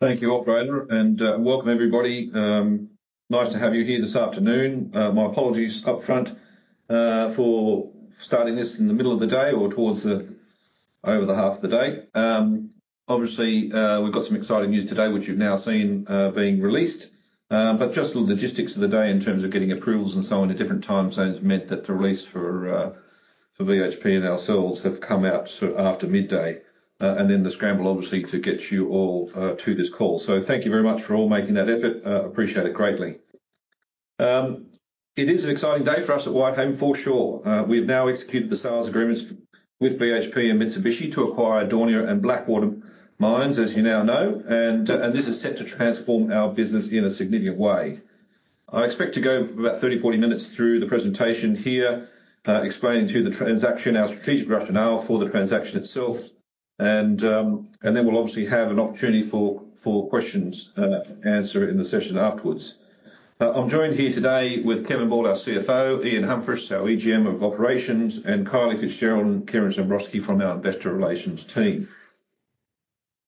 Thank you, operator, and welcome everybody. Nice to have you here this afternoon. My apologies up front for starting this in the middle of the day or towards the over the half of the day. Obviously, we've got some exciting news today, which you've now seen being released. But just the logistics of the day in terms of getting approvals and so on in different time zones meant that the release for for BHP and ourselves have come out so after midday. And then the scramble, obviously, to get you all to this call. So thank you very much for all making that effort. Appreciate it greatly. It is an exciting day for us at Whitehaven, for sure. We've now executed the sales agreements with BHP and Mitsubishi to acquire Daunia and Blackwater mines, as you now know, and this is set to transform our business in a significant way. I expect to go about 30-40 minutes through the presentation here, explaining the transaction, our strategic rationale for the transaction itself, and then we'll obviously have an opportunity for questions and answers in the session afterwards. I'm joined here today with Kevin Ball, our CFO, Ian Humphris, our EGM of Operations, and Kylie Fitzgerald and Kiarra Zembrowski from our investor relations team.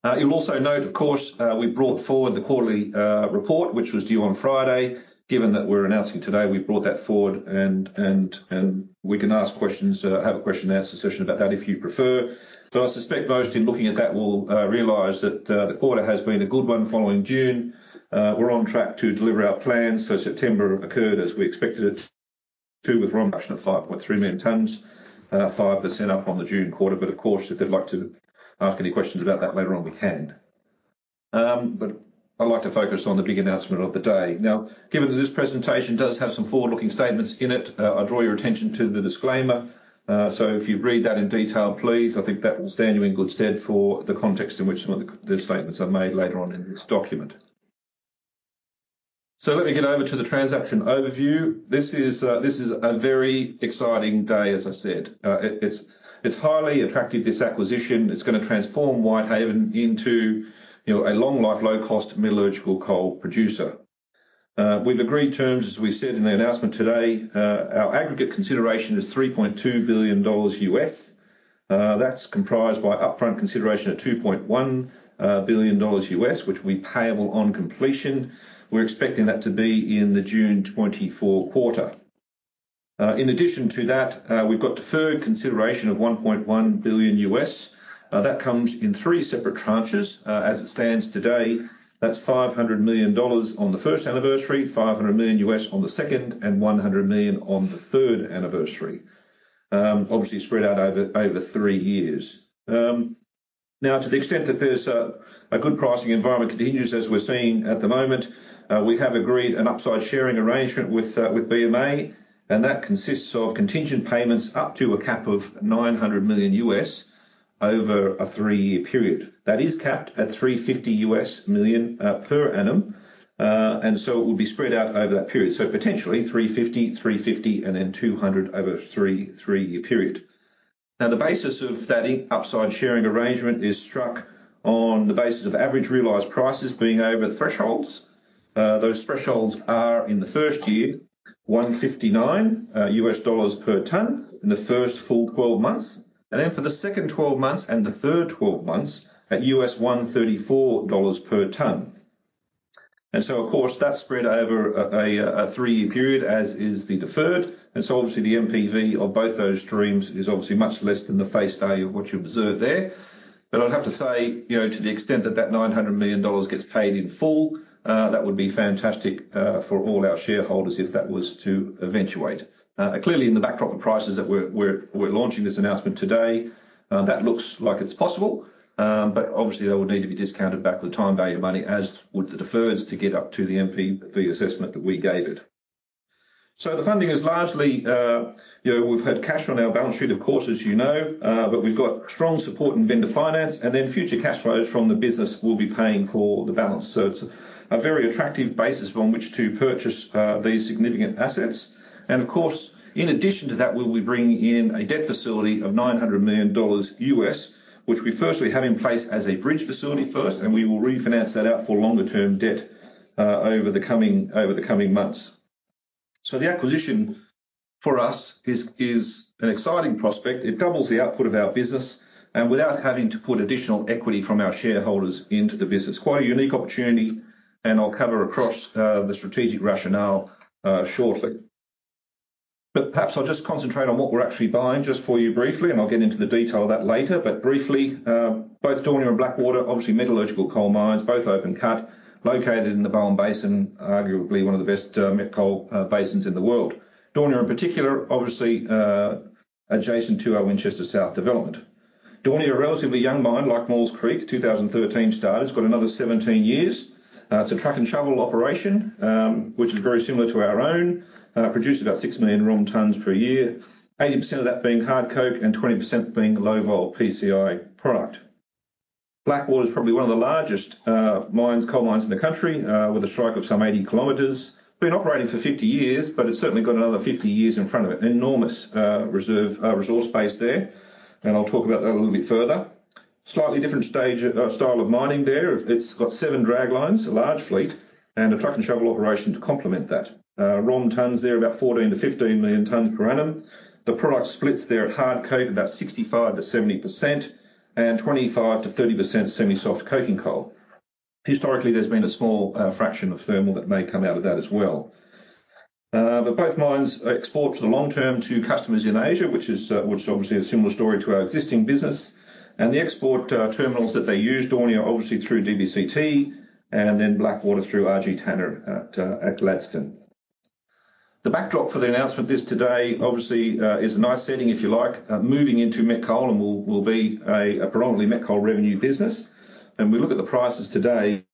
You'll also note, of course, we brought forward the quarterly report, which was due on Friday. Given that we're announcing today, we brought that forward and we can ask questions, have a question and answer session about that if you prefer. But I suspect most in looking at that will realize that the quarter has been a good one following June. We're on track to deliver our plans. So September occurred as we expected it to, with production of 5.3 million tons, 5% up on the June quarter. But of course, if they'd like to ask any questions about that later on, we can. But I'd like to focus on the big announcement of the day. Now, given that this presentation does have some forward-looking statements in it, I draw your attention to the disclaimer. So if you read that in detail, please, I think that will stand you in good stead for the context in which some of the, the statements are made later on in this document. So let me get over to the transaction overview. This is a very exciting day, as I said. It's highly attractive, this acquisition. It's gonna transform Whitehaven into, you know, a long-life, low-cost metallurgical coal producer. We've agreed terms, as we've said in the announcement today. Our aggregate consideration is $3.2 billion. That's comprised by upfront consideration of $2.1 billion, which will be payable on completion. We're expecting that to be in the June 2024 quarter. In addition to that, we've got deferred consideration of $1.1 billion. That comes in three separate tranches. As it stands today, that's $500 million on the first anniversary, $500 million on the second, and $100 million on the third anniversary. Obviously spread out over three years. Now, to the extent that there's a good pricing environment continues as we're seeing at the moment, we have agreed an upside sharing arrangement with BMA, and that consists of contingent payments up to a cap of $900 million over a three-year period. That is capped at $350 million per annum. And so it will be spread out over that period. So potentially, 350, 350, and then 200 over a three-year period. Now, the basis of that upside sharing arrangement is struck on the basis of average realized prices being over thresholds. Those thresholds are in the first year, $159 per ton in the first full 12 months, and then for the second 12 months and the third 12 months at $134 per ton. And so, of course, that's spread over a three year period, as is the deferred, and so obviously, the NPV of both those streams is obviously much less than the face value of what you observe there. But I'd have to say, you know, to the extent that that $900 million gets paid in full, that would be fantastic for all our shareholders, if that was to eventuate. Clearly in the backdrop of prices that we're launching this announcement today, that looks like it's possible, but obviously, they will need to be discounted back with the time value of money, as would the deferreds, to get up to the NPV assessment that we gave it. So the funding is largely, you know, we've had cash on our balance sheet, of course, as you know, but we've got strong support in vendor finance, and then future cash flows from the business will be paying for the balance. So it's a very attractive basis on which to purchase these significant assets. And of course, in addition to that, we will be bringing in a debt facility of $900 million, which we firstly have in place as a bridge facility first, and we will refinance that out for longer-term debt, over the coming, over the coming months. So the acquisition for us is, is an exciting prospect. It doubles the output of our business and without having to put additional equity from our shareholders into the business. Quite a unique opportunity, and I'll cover across, the strategic rationale, shortly. But perhaps I'll just concentrate on what we're actually buying just for you briefly, and I'll get into the detail of that later. But briefly, both Daunia and Blackwater, obviously, metallurgical coal mines, both open cut, located in the Bowen Basin, arguably one of the best, met coal, basins in the world. Daunia, in particular, obviously, adjacent to our Winchester South development. Daunia, a relatively young mine, like Maules Creek, started in 2013. It's got another 17 years. It's a truck and shovel operation, which is very similar to our own. Produces about six million tons per year, 80% of that being hard coke and 20% being low vol PCI product. Blackwater is probably one of the largest mines, coal mines in the country, with a strike of some 80 km. Been operating for 50 years, but it's certainly got another 50 years in front of it. Enormous reserve, resource base there, and I'll talk about that a little bit further. Slightly different stage, style of mining there. It's got seven draglines, a large fleet, and a truck and shovel operation to complement that. Raw tons there, about 14-15 million tons per annum. The product splits there at hard coking, about 65%-70%, and 25%-30% semi-soft coking coal. Historically, there's been a small fraction of thermal that may come out of that as well. But both mines export for the long term to customers in Asia, which is obviously a similar story to our existing business. And the export terminals that they use, Daunia, are obviously through DBCT and then Blackwater through RG Tanna at Gladstone. The backdrop for the announcement today obviously is a nice setting, if you like. Moving into met coal, and we'll, we'll be a, a predominantly met coal revenue business. We look at the prices today,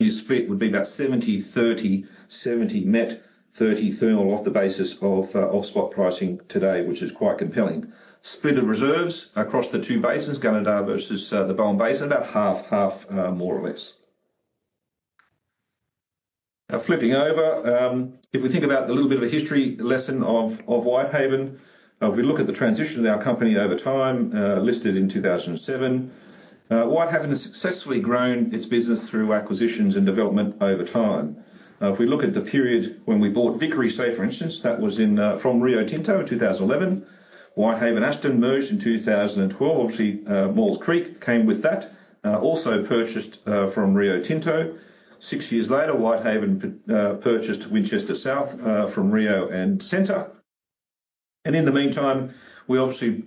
your split would be about 70/30, 70 met, 30 thermal off the basis of spot pricing today, which is quite compelling. Split of reserves across the two basins, Gunnedah versus the Bowen Basin, about 50/50, more or less. Now, flipping over, if we think about the little bit of a history lesson of Whitehaven, if we look at the transition of our company over time, listed in 2007. Whitehaven has successfully grown its business through acquisitions and development over time. If we look at the period when we bought Vickery, say, for instance, that was in from Rio Tinto in 2011. Whitehaven Aston merged in 2012. Obviously, Maules Creek came with that. Also purchased from Rio Tinto. Six years later, Whitehaven purchased Winchester South from Rio Tinto. In the meantime, we obviously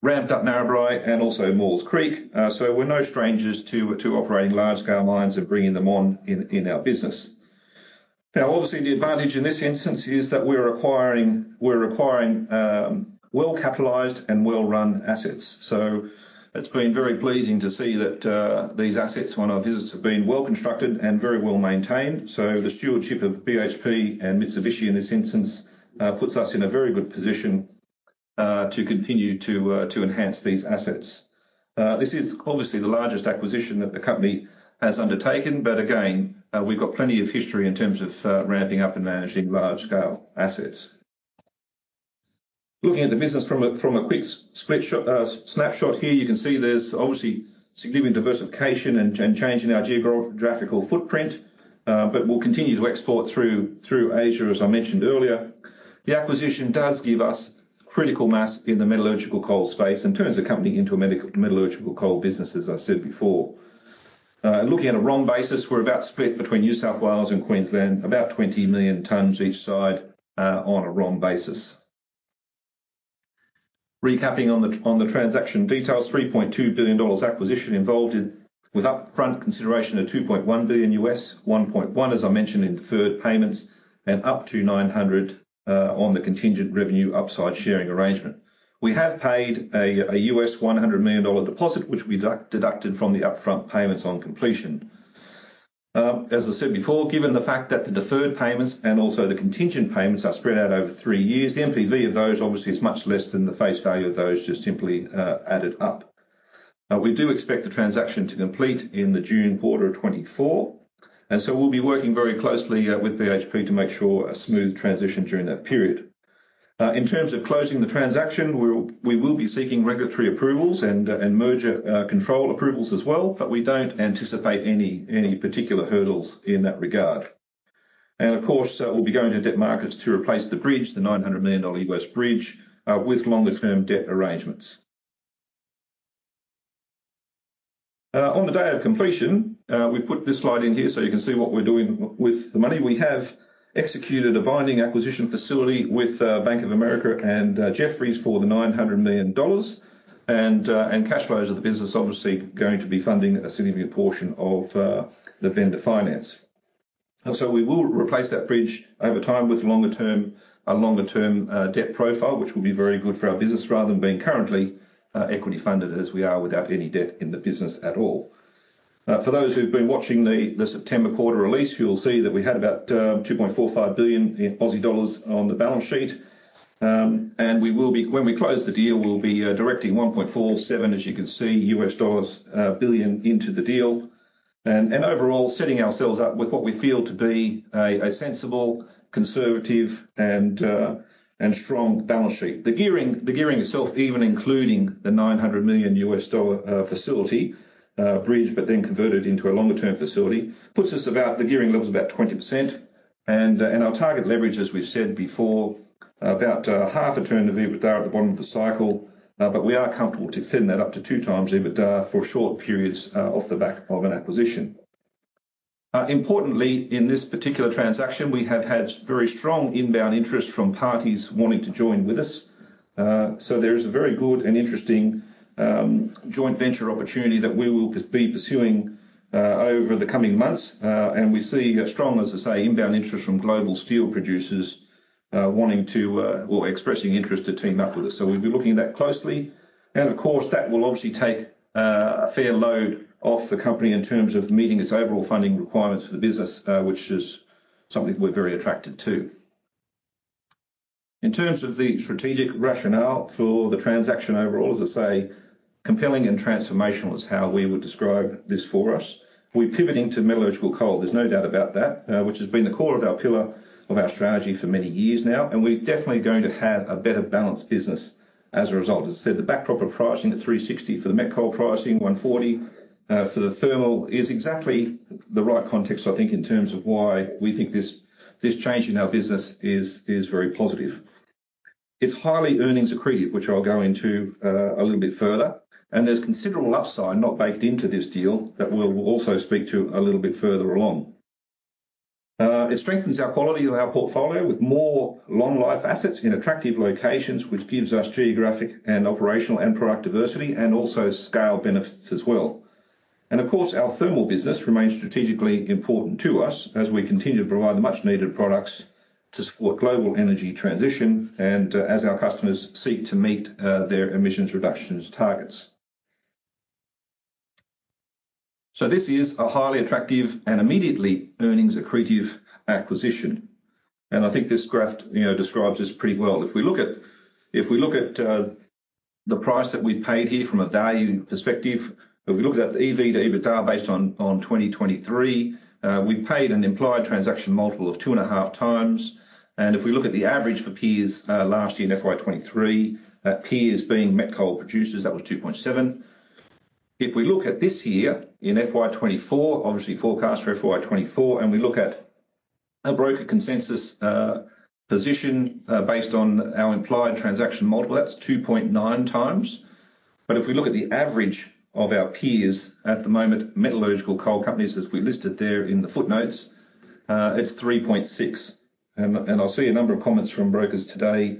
ramped up Narrabri and also Maules Creek. So we're no strangers to operating large-scale mines and bringing them on in our business. Now, obviously, the advantage in this instance is that we're acquiring well-capitalized and well-run assets. So it's been very pleasing to see that these assets on our visits have been well-constructed and very well-maintained. So the stewardship of BHP and Mitsubishi, in this instance, puts us in a very good position to continue to enhance these assets. This is obviously the largest acquisition that the company has undertaken, but again, we've got plenty of history in terms of ramping up and managing large-scale assets. Looking at the business from a quick split shot, snapshot here, you can see there's obviously significant diversification and change in our geographical footprint, but we'll continue to export through Asia, as I mentioned earlier. The acquisition does give us critical mass in the metallurgical coal space and turns the company into a metallurgical coal business, as I said before. Looking at a ROM basis, we're about split between New South Wales and Queensland, about 20 million tons each side, on a ROM basis. Recapping on the transaction details, $3.2 billion acquisition involved in with upfront consideration of $2.1 billion, $1.1 billion, as I mentioned, in deferred payments, and up to $900 million, on the contingent revenue upside sharing arrangement. We have paid a $100 million deposit, which we deducted from the upfront payments on completion. As I said before, given the fact that the deferred payments and also the contingent payments are spread out over three years, the NPV of those obviously is much less than the face value of those just simply added up. We do expect the transaction to complete in the June quarter of 2024, and so we'll be working very closely with BHP to make sure a smooth transition during that period. In terms of closing the transaction, we will be seeking regulatory approvals and merger control approvals as well, but we don't anticipate any particular hurdles in that regard. Of course, we'll be going to debt markets to replace the bridge, the $900 million U.S. bridge, with longer-term debt arrangements. On the day of completion, we put this slide in here so you can see what we're doing with the money. We have executed a binding acquisition facility with Bank of America and Jefferies for the $900 million. Cash flows of the business obviously going to be funding a significant portion of the vendor finance. So we will replace that bridge over time with longer term, a longer-term debt profile, which will be very good for our business, rather than being currently equity-funded as we are without any debt in the business at all. For those who've been watching the September quarter release, you'll see that we had about 2.45 billion in Aussie dollars on the balance sheet. When we close the deal, we'll be directing $1.47 billion, as you can see, U.S. dollars into the deal. And overall, setting ourselves up with what we feel to be a sensible, conservative, and strong balance sheet. The gearing itself, even including the $900 million US dollar facility bridge, but then converted into a longer-term facility, puts us about the gearing levels about 20%. Our target leverage, as we've said before, about 0.5x EBITDA at the bottom of the cycle, but we are comfortable to send that up to 2x EBITDA for short periods, off the back of an acquisition. Importantly, in this particular transaction, we have had very strong inbound interest from parties wanting to join with us. So there is a very good and interesting joint venture opportunity that we will be pursuing over the coming months. And we see strong, as I say, inbound interest from global steel producers wanting to, or expressing interest to team up with us. So we'll be looking at that closely. And of course, that will obviously take a fair load off the company in terms of meeting its overall funding requirements for the business, which is something we're very attracted to. In terms of the strategic rationale for the transaction overall, as I say, compelling and transformational is how we would describe this for us. We're pivoting to metallurgical coal, there's no doubt about that, which has been the core of our pillar of our strategy for many years now, and we're definitely going to have a better balanced business as a result. As I said, the backdrop of pricing at $360 for the met coal pricing, $140 for the thermal, is exactly the right context, I think, in terms of why we think this change in our business is very positive. It's highly earnings accretive, which I'll go into a little bit further, and there's considerable upside not baked into this deal that we'll, we'll also speak to a little bit further along. It strengthens our quality of our portfolio with more long-life assets in attractive locations, which gives us geographic and operational and product diversity, and also scale benefits as well. And of course, our thermal business remains strategically important to us as we continue to provide the much-needed products to support global energy transition and, as our customers seek to meet their emissions reductions targets. So this is a highly attractive and immediately earnings accretive acquisition, and I think this graph, you know, describes this pretty well. If we look at the price that we paid here from a value perspective, if we look at the EV to EBITDA based on 2023, we paid an implied transaction multiple of 2.5x. And if we look at the average for peers last year in FY 2023, peers being met coal producers, that was 2.7x. If we look at this year, in FY 2024, obviously forecast for FY 2024, and we look at a broker consensus position based on our implied transaction model, that's 2.9x. But if we look at the average of our peers at the moment, metallurgical coal companies, as we listed there in the footnotes, it's 3.6x. I see a number of comments from brokers today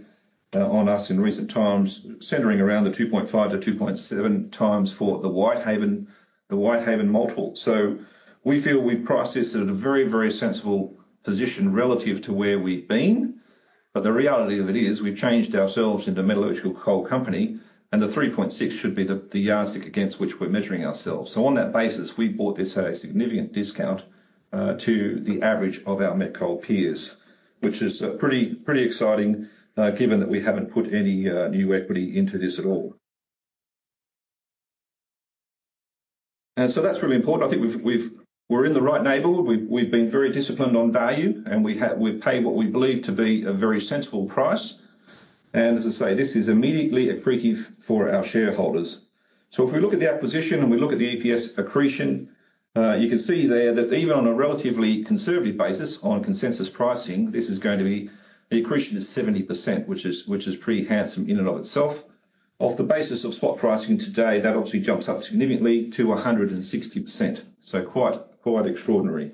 on us in recent times, centering around the 2.5-2.7 times for the Whitehaven, the Whitehaven multiple. So we feel we've priced this at a very, very sensible position relative to where we've been. But the reality of it is, we've changed ourselves into a metallurgical coal company, and the 3.6 should be the yardstick against which we're measuring ourselves. So on that basis, we bought this at a significant discount to the average of our met coal peers, which is pretty, pretty exciting, given that we haven't put any new equity into this at all. And so that's really important. I think we're in the right neighborhood. We've been very disciplined on value, and we've paid what we believe to be a very sensible price. And as I say, this is immediately accretive for our shareholders. So if we look at the acquisition and we look at the EPS accretion, you can see there that even on a relatively conservative basis, on consensus pricing, this is going to be the accretion is 70%, which is pretty handsome in and of itself. Off the basis of spot pricing today, that obviously jumps up significantly to 160%. So quite extraordinary.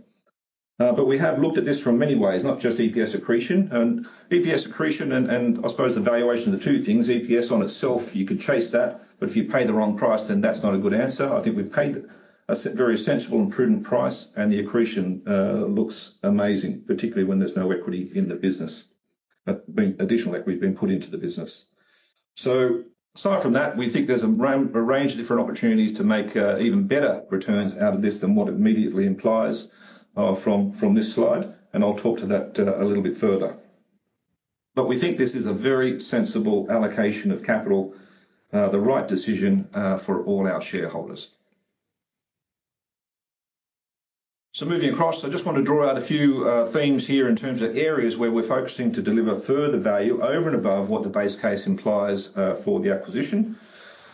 But we have looked at this from many ways, not just EPS accretion. And EPS accretion and I suppose the valuation are two things. EPS on itself, you could chase that, but if you pay the wrong price, then that's not a good answer. I think we've paid a very sensible and prudent price, and the accretion looks amazing, particularly when there's no equity in the business being additional equity being put into the business. So aside from that, we think there's a range of different opportunities to make even better returns out of this than what it immediately implies from this slide, and I'll talk to that a little bit further. But we think this is a very sensible allocation of capital, the right decision for all our shareholders. So moving across, I just want to draw out a few themes here in terms of areas where we're focusing to deliver further value over and above what the base case implies for the acquisition.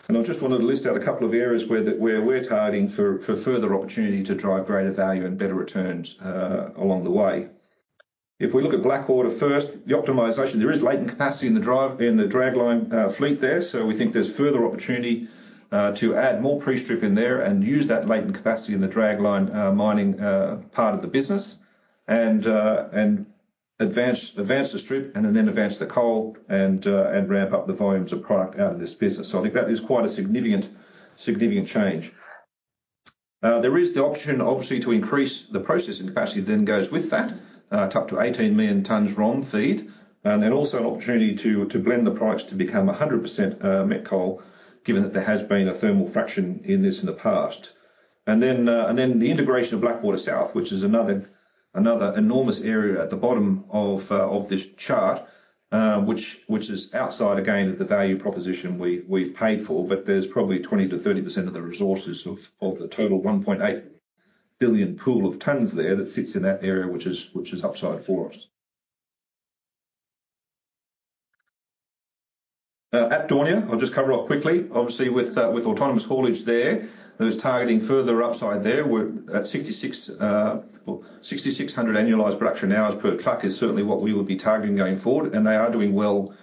And I just wanted to list out a couple of areas where we're targeting for, for further opportunity to drive greater value and better returns, along the way. If we look at Blackwater first, the optimization, there is latent capacity in the dragline fleet there, so we think there's further opportunity to add more prestrip in there and use that latent capacity in the dragline mining part of the business. And, and advance, advance the strip and then advance the coal and, and ramp up the volumes of product out of this business. So I think that is quite a significant, significant change. There is the option, obviously, to increase the processing capacity that then goes with that, up to 18 million tons raw in feed, and then also an opportunity to blend the products to become 100% met coal, given that there has been a thermal fraction in this in the past. And then the integration of Blackwater South, which is another enormous area at the bottom of this chart, which is outside again of the value proposition we've paid for, but there's probably 20%-30% of the resources of the total 1.8 billion pool of tons there that sits in that area, which is upside for us. At Daunia, I'll just cover off quickly. Obviously, with autonomous haulage there, there is targeting further upside there. We're at 6,600, well, 6,600 annualized production hours per truck is certainly what we would be targeting going forward, and they are doing well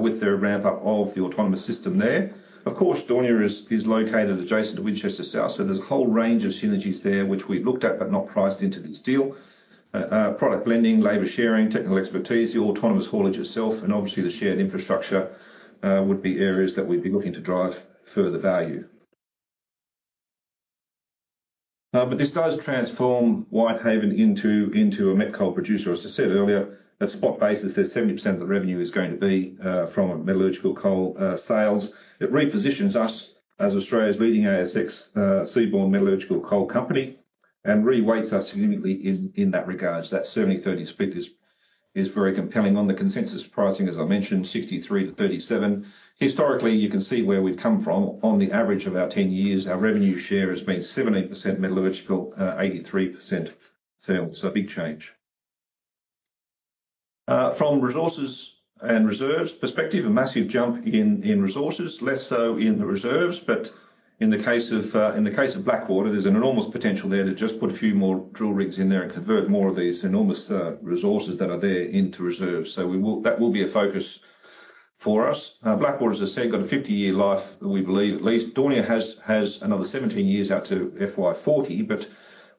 with their ramp up of the autonomous system there. Of course, Daunia is located adjacent to Winchester South, so there's a whole range of synergies there, which we've looked at but not priced into this deal. Product blending, labor sharing, technical expertise, the autonomous haulage itself, and obviously the shared infrastructure would be areas that we'd be looking to drive further value. But this does transform Whitehaven into a met coal producer. As I said earlier, at spot basis, there's 70% of the revenue is going to be from metallurgical coal sales. It repositions us as Australia's leading ASX seaborne metallurgical coal company and reweights us significantly in that regard. So that 70/30 split is very compelling on the consensus pricing, as I mentioned, 63%-37%. Historically, you can see where we've come from. On the average of our 10 years, our revenue share has been 70% metallurgical, 83% thermal. So a big change. From resources and reserves perspective, a massive jump in resources, less so in the reserves, but in the case of Blackwater, there's an enormous potential there to just put a few more drill rigs in there and convert more of these enormous resources that are there into reserves. So we will. That will be a focus for us. Blackwater, as I said, got a 50-year life, we believe at least. Daunia has another 17 years out to FY 2040, but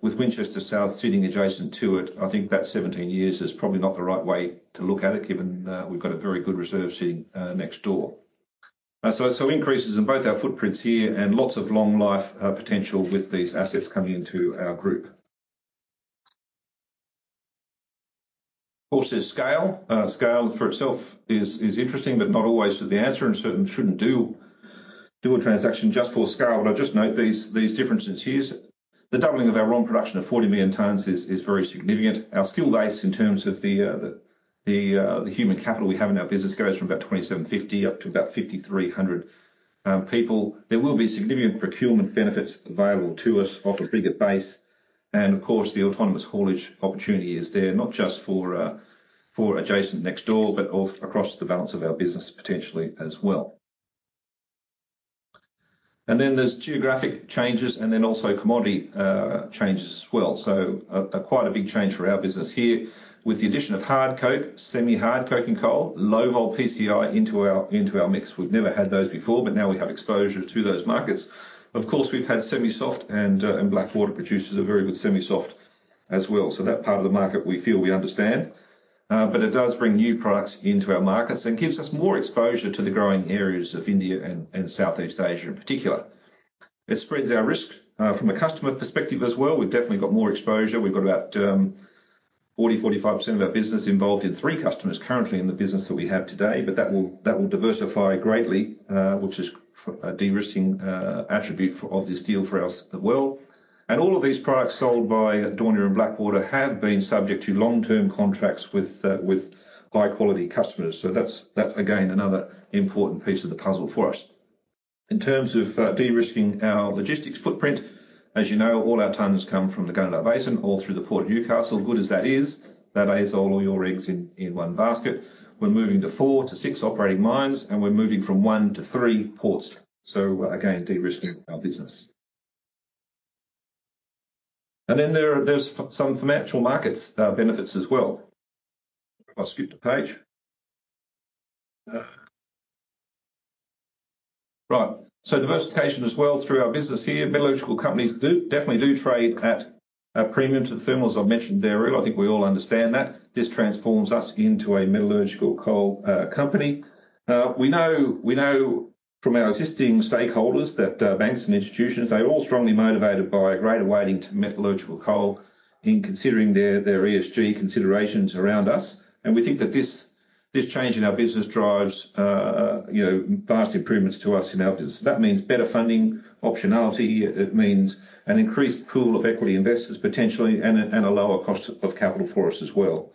with Winchester South sitting adjacent to it, I think that 17 years is probably not the right way to look at it, given that we've got a very good reserve sitting next door. So increases in both our footprints here and lots of long life potential with these assets coming into our group. Of course, there's scale. Scale for itself is interesting, but not always the answer, and certainly shouldn't do a transaction just for scale. But I just note these differences here. The doubling of our raw production of 40 million tons is very significant. Our skill base, in terms of the human capital we have in our business, goes from about 2,750 up to about 5,300 people. There will be significant procurement benefits available to us off a bigger base, and of course, the autonomous haulage opportunity is there, not just for adjacent next door, but across the balance of our business, potentially as well. And then there's geographic changes and then also commodity changes as well. So quite a big change for our business here. With the addition of hard coke, semi-hard coke, and coal, low vol PCI into our mix. We've never had those before, but now we have exposure to those markets. Of course, we've had semi-soft and Blackwater produces a very good semi-soft as well. So that part of the market we feel we understand, but it does bring new products into our markets and gives us more exposure to the growing areas of India and Southeast Asia in particular. It spreads our risk from a customer perspective as well. We've definitely got more exposure. We've got about 40%-45% of our business involved in three customers currently in the business that we have today, but that will, that will diversify greatly, which is a de-risking attribute for, of this deal for us as well. All of these products sold by Daunia and Blackwater have been subject to long-term contracts with high-quality customers. So that's, that's again, another important piece of the puzzle for us. In terms of de-risking our logistics footprint, as you know, all our tons come from the Gunnedah Basin, all through the Port of Newcastle. Good as that is, that is all your eggs in one basket. We're moving to four to six operating mines, and we're moving from one to three ports. So again, de-risking our business. And then there are, there's some financial markets benefits as well. I'll skip the page. Right. So diversification as well through our business here. Metallurgical companies do, definitely do trade at a premium to the thermals I mentioned there, earlier. I think we all understand that. This transforms us into a metallurgical coal company. We know, we know from our existing stakeholders that, banks and institutions, they're all strongly motivated by a greater weighting to metallurgical coal in considering their, their ESG considerations around us. And we think that this, this change in our business drives, you know, vast improvements to us in our business. That means better funding, optionality, it means an increased pool of equity investors, potentially, and a, and a lower cost of capital for us as well.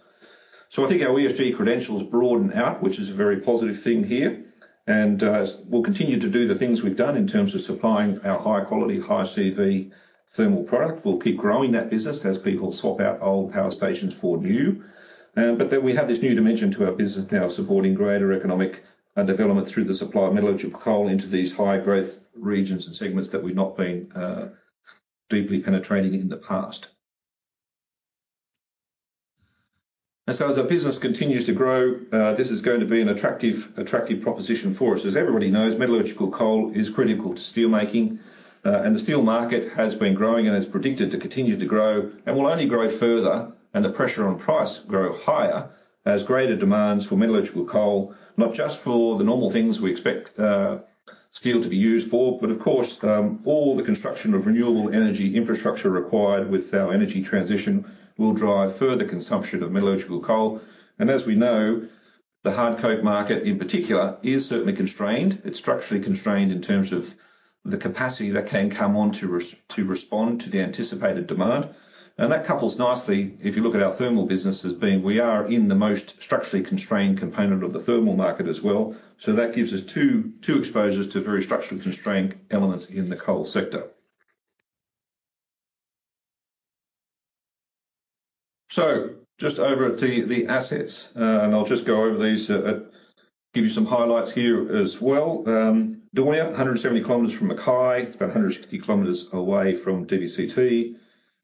So I think our ESG credentials broaden out, which is a very positive thing here, and we'll continue to do the things we've done in terms of supplying our high quality, high CV thermal product. We'll keep growing that business as people swap out old power stations for new. But then we have this new dimension to our business now, supporting greater economic development through the supply of metallurgical coal into these high-growth regions and segments that we've not been deeply penetrating in the past. And so as our business continues to grow, this is going to be an attractive, attractive proposition for us. As everybody knows, metallurgical coal is critical to steelmaking, and the steel market has been growing and is predicted to continue to grow and will only grow further, and the pressure on price grow higher as greater demands for metallurgical coal, not just for the normal things we expect, steel to be used for, but of course, all the construction of renewable energy infrastructure required with our energy transition will drive further consumption of metallurgical coal. And as we know, the hard coke market, in particular, is certainly constrained. It's structurally constrained in terms of the capacity that can come on to respond to the anticipated demand. And that couples nicely, if you look at our thermal business as being, we are in the most structurally constrained component of the thermal market as well. So that gives us two, two exposures to very structurally constrained elements in the coal sector. So just over at the assets, and I'll just go over these, give you some highlights here as well. Daunia, 170 km from Mackay, it's about 160 km away from DBCT.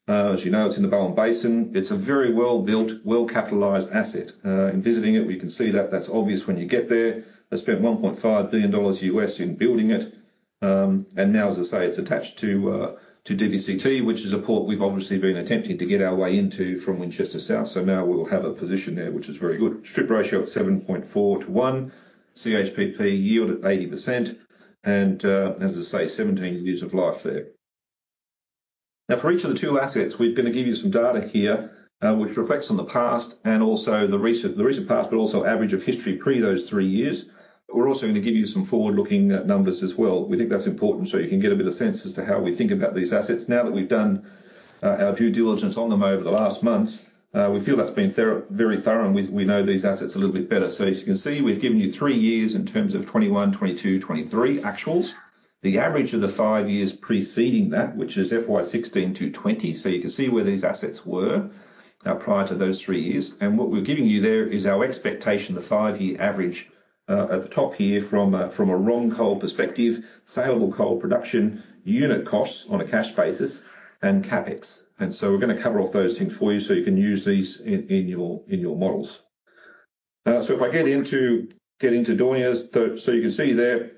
As you know, it's in the Bowen Basin. It's a very well-built, well-capitalized asset. In visiting it, we can see that. That's obvious when you get there. They spent $1.5 billion in building it, and now, as I say, it's attached to DBCT, which is a port we've obviously been attempting to get our way into from Winchester South. So now we'll have a position there, which is very good. Strip ratio of 7.4:1, CHPP yield at 80%, and, as I say, 17 years of life there. Now, for each of the two assets, we're going to give you some data here, which reflects on the past and also the recent, the recent past, but also average of history pre those three years.... We're also going to give you some forward-looking numbers as well. We think that's important, so you can get a bit of sense as to how we think about these assets. Now that we've done our due diligence on them over the last months, we feel that's been very thorough, and we, we know these assets a little bit better. So as you can see, we've given you three years in terms of 2021, 2022, 2023 actuals. The average of the five years preceding that, which is FY 2016 to FY 2020, so you can see where these assets were prior to those three years. What we're giving you there is our expectation, the five-year average at the top here from a raw coal perspective, saleable coal production, unit costs on a cash basis, and CapEx. So we're gonna cover off those things for you so you can use these in your models. If I get into doing this, you can see there,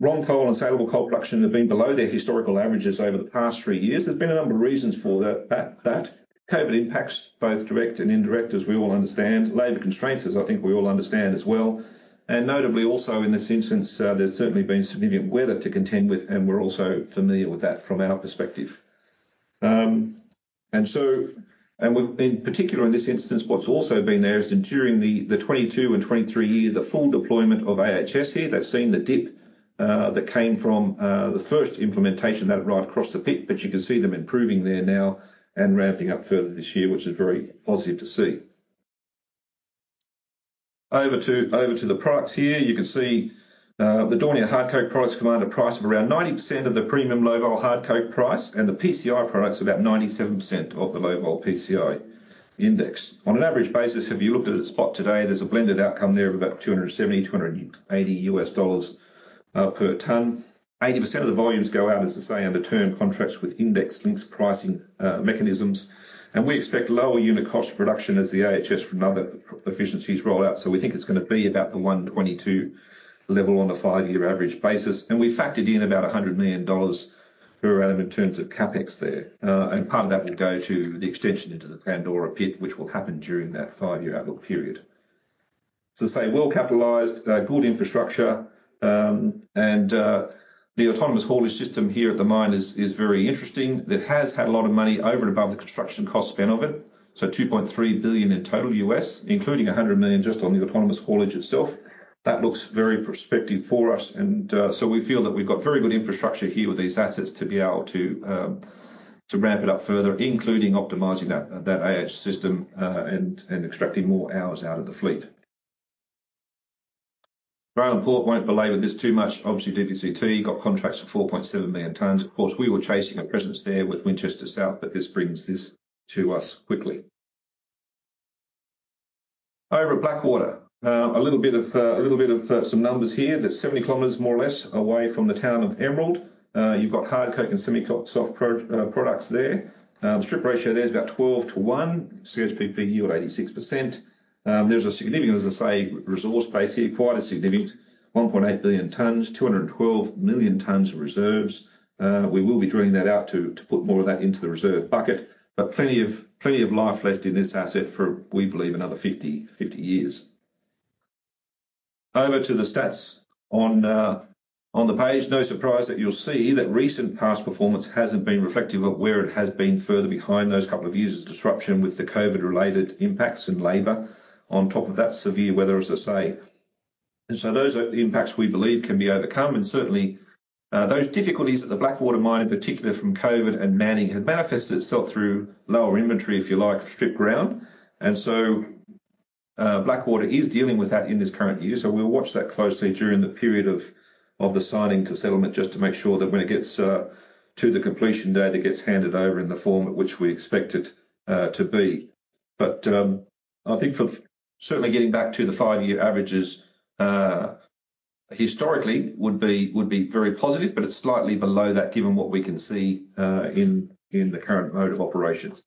raw coal and saleable coal production have been below their historical averages over the past three years. There's been a number of reasons for that. COVID impacts, both direct and indirect, as we all understand. Labor constraints, as I think we all understand as well, and notably also in this instance, there's certainly been significant weather to contend with, and we're also familiar with that from our perspective. And we've, in particular, in this instance, what's also been there is during the 2022 and 2023 year, the full deployment of AHS here. They've seen the dip that came from the first implementation of that right across the pit, but you can see them improving there now and ramping up further this year, which is very positive to see. Over to the products here. You can see the Daunia hard coking coal products command a price of around 90% of the premium low vol hard coking coal price, and the PCI product's about 97% of the low vol PCI index. On an average basis, if you looked at a spot today, there's a blended outcome there of about $270-$280 per ton. 80% of the volumes go out, as I say, under term contracts with index links, pricing mechanisms, and we expect lower unit cost production as the AHS from other efficiencies roll out. So we think it's gonna be about the 122 level on a five-year average basis, and we factored in about 100 million dollars per annum in terms of CapEx there. And part of that will go to the extension into the Pandora pit, which will happen during that five-year outlook period. So say, well capitalized, good infrastructure, and the autonomous haulage system here at the mine is very interesting. It has had a lot of money over and above the construction cost spend of it, so $2.3 billion in total, including $100 million just on the autonomous haulage itself. That looks very prospective for us, and so we feel that we've got very good infrastructure here with these assets to be able to to ramp it up further, including optimizing that AH system, and extracting more hours out of the fleet. Rail and port, won't belabor this too much. Obviously, DBCT got contracts for 4.7 million tons. Of course, we were chasing a presence there with Winchester South, but this brings this to us quickly. Over at Blackwater. A little bit of some numbers here. That's 70 km, more or less, away from the town of Emerald. You've got hard coking and semi-soft coking products there. Strip ratio there is about 12:1, CHPP yield 86%. There's a significant, as I say, resource base here, quite a significant 1.8 billion tons, 212 million tons of reserves. We will be drawing that out to put more of that into the reserve bucket, but plenty of life left in this asset for, we believe, another 50, 50 years. Over to the stats. On the page, no surprise that you'll see that recent past performance hasn't been reflective of where it has been further behind those couple of years' disruption with the COVID-related impacts and labor, on top of that, severe weather, as I say. And so those are the impacts we believe can be overcome, and certainly, those difficulties at the Blackwater mine, in particular from COVID and Manning, have manifested itself through lower inventory, if you like, strip ground. And so, Blackwater is dealing with that in this current year, so we'll watch that closely during the period of the signing to settlement just to make sure that when it gets to the completion date, it gets handed over in the form at which we expect it to be. But, I think for certainly getting back to the five-year averages, historically, would be very positive, but it's slightly below that, given what we can see in the current mode of operations.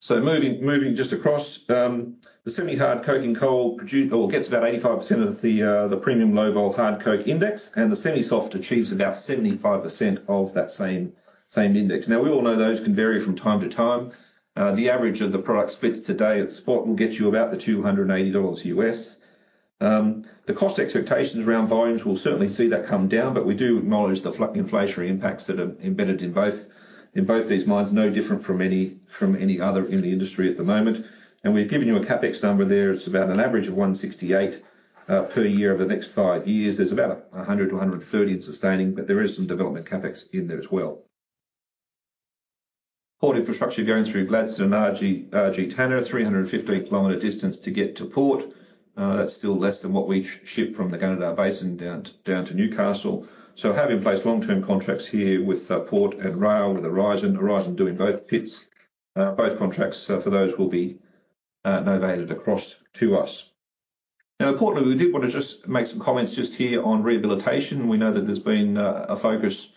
So moving just across, the semi-hard coking coal gets about 85% of the premium low vol hard coke index, and the semi-soft achieves about 75% of that same index. Now, we all know those can vary from time to time. The average of the product splits today at spot will get you about $280. The cost expectations around volumes, we'll certainly see that come down, but we do acknowledge the inflationary impacts that are embedded in both these mines, no different from any other in the industry at the moment. And we've given you a CapEx number there. It's about an average of 168 per year over the next five years. There's about 100-130 in sustaining, but there is some development CapEx in there as well. Port infrastructure going through Gladstone, RG Tanna, 315 km distance to get to port. That's still less than what we ship from the Gunnedah Basin down to Newcastle. So have in place long-term contracts here with port and rail, with Aurizon. Aurizon doing both pits. Both contracts for those will be novated across to us. Now, importantly, we did want to just make some comments just here on rehabilitation. We know that there's been a focus on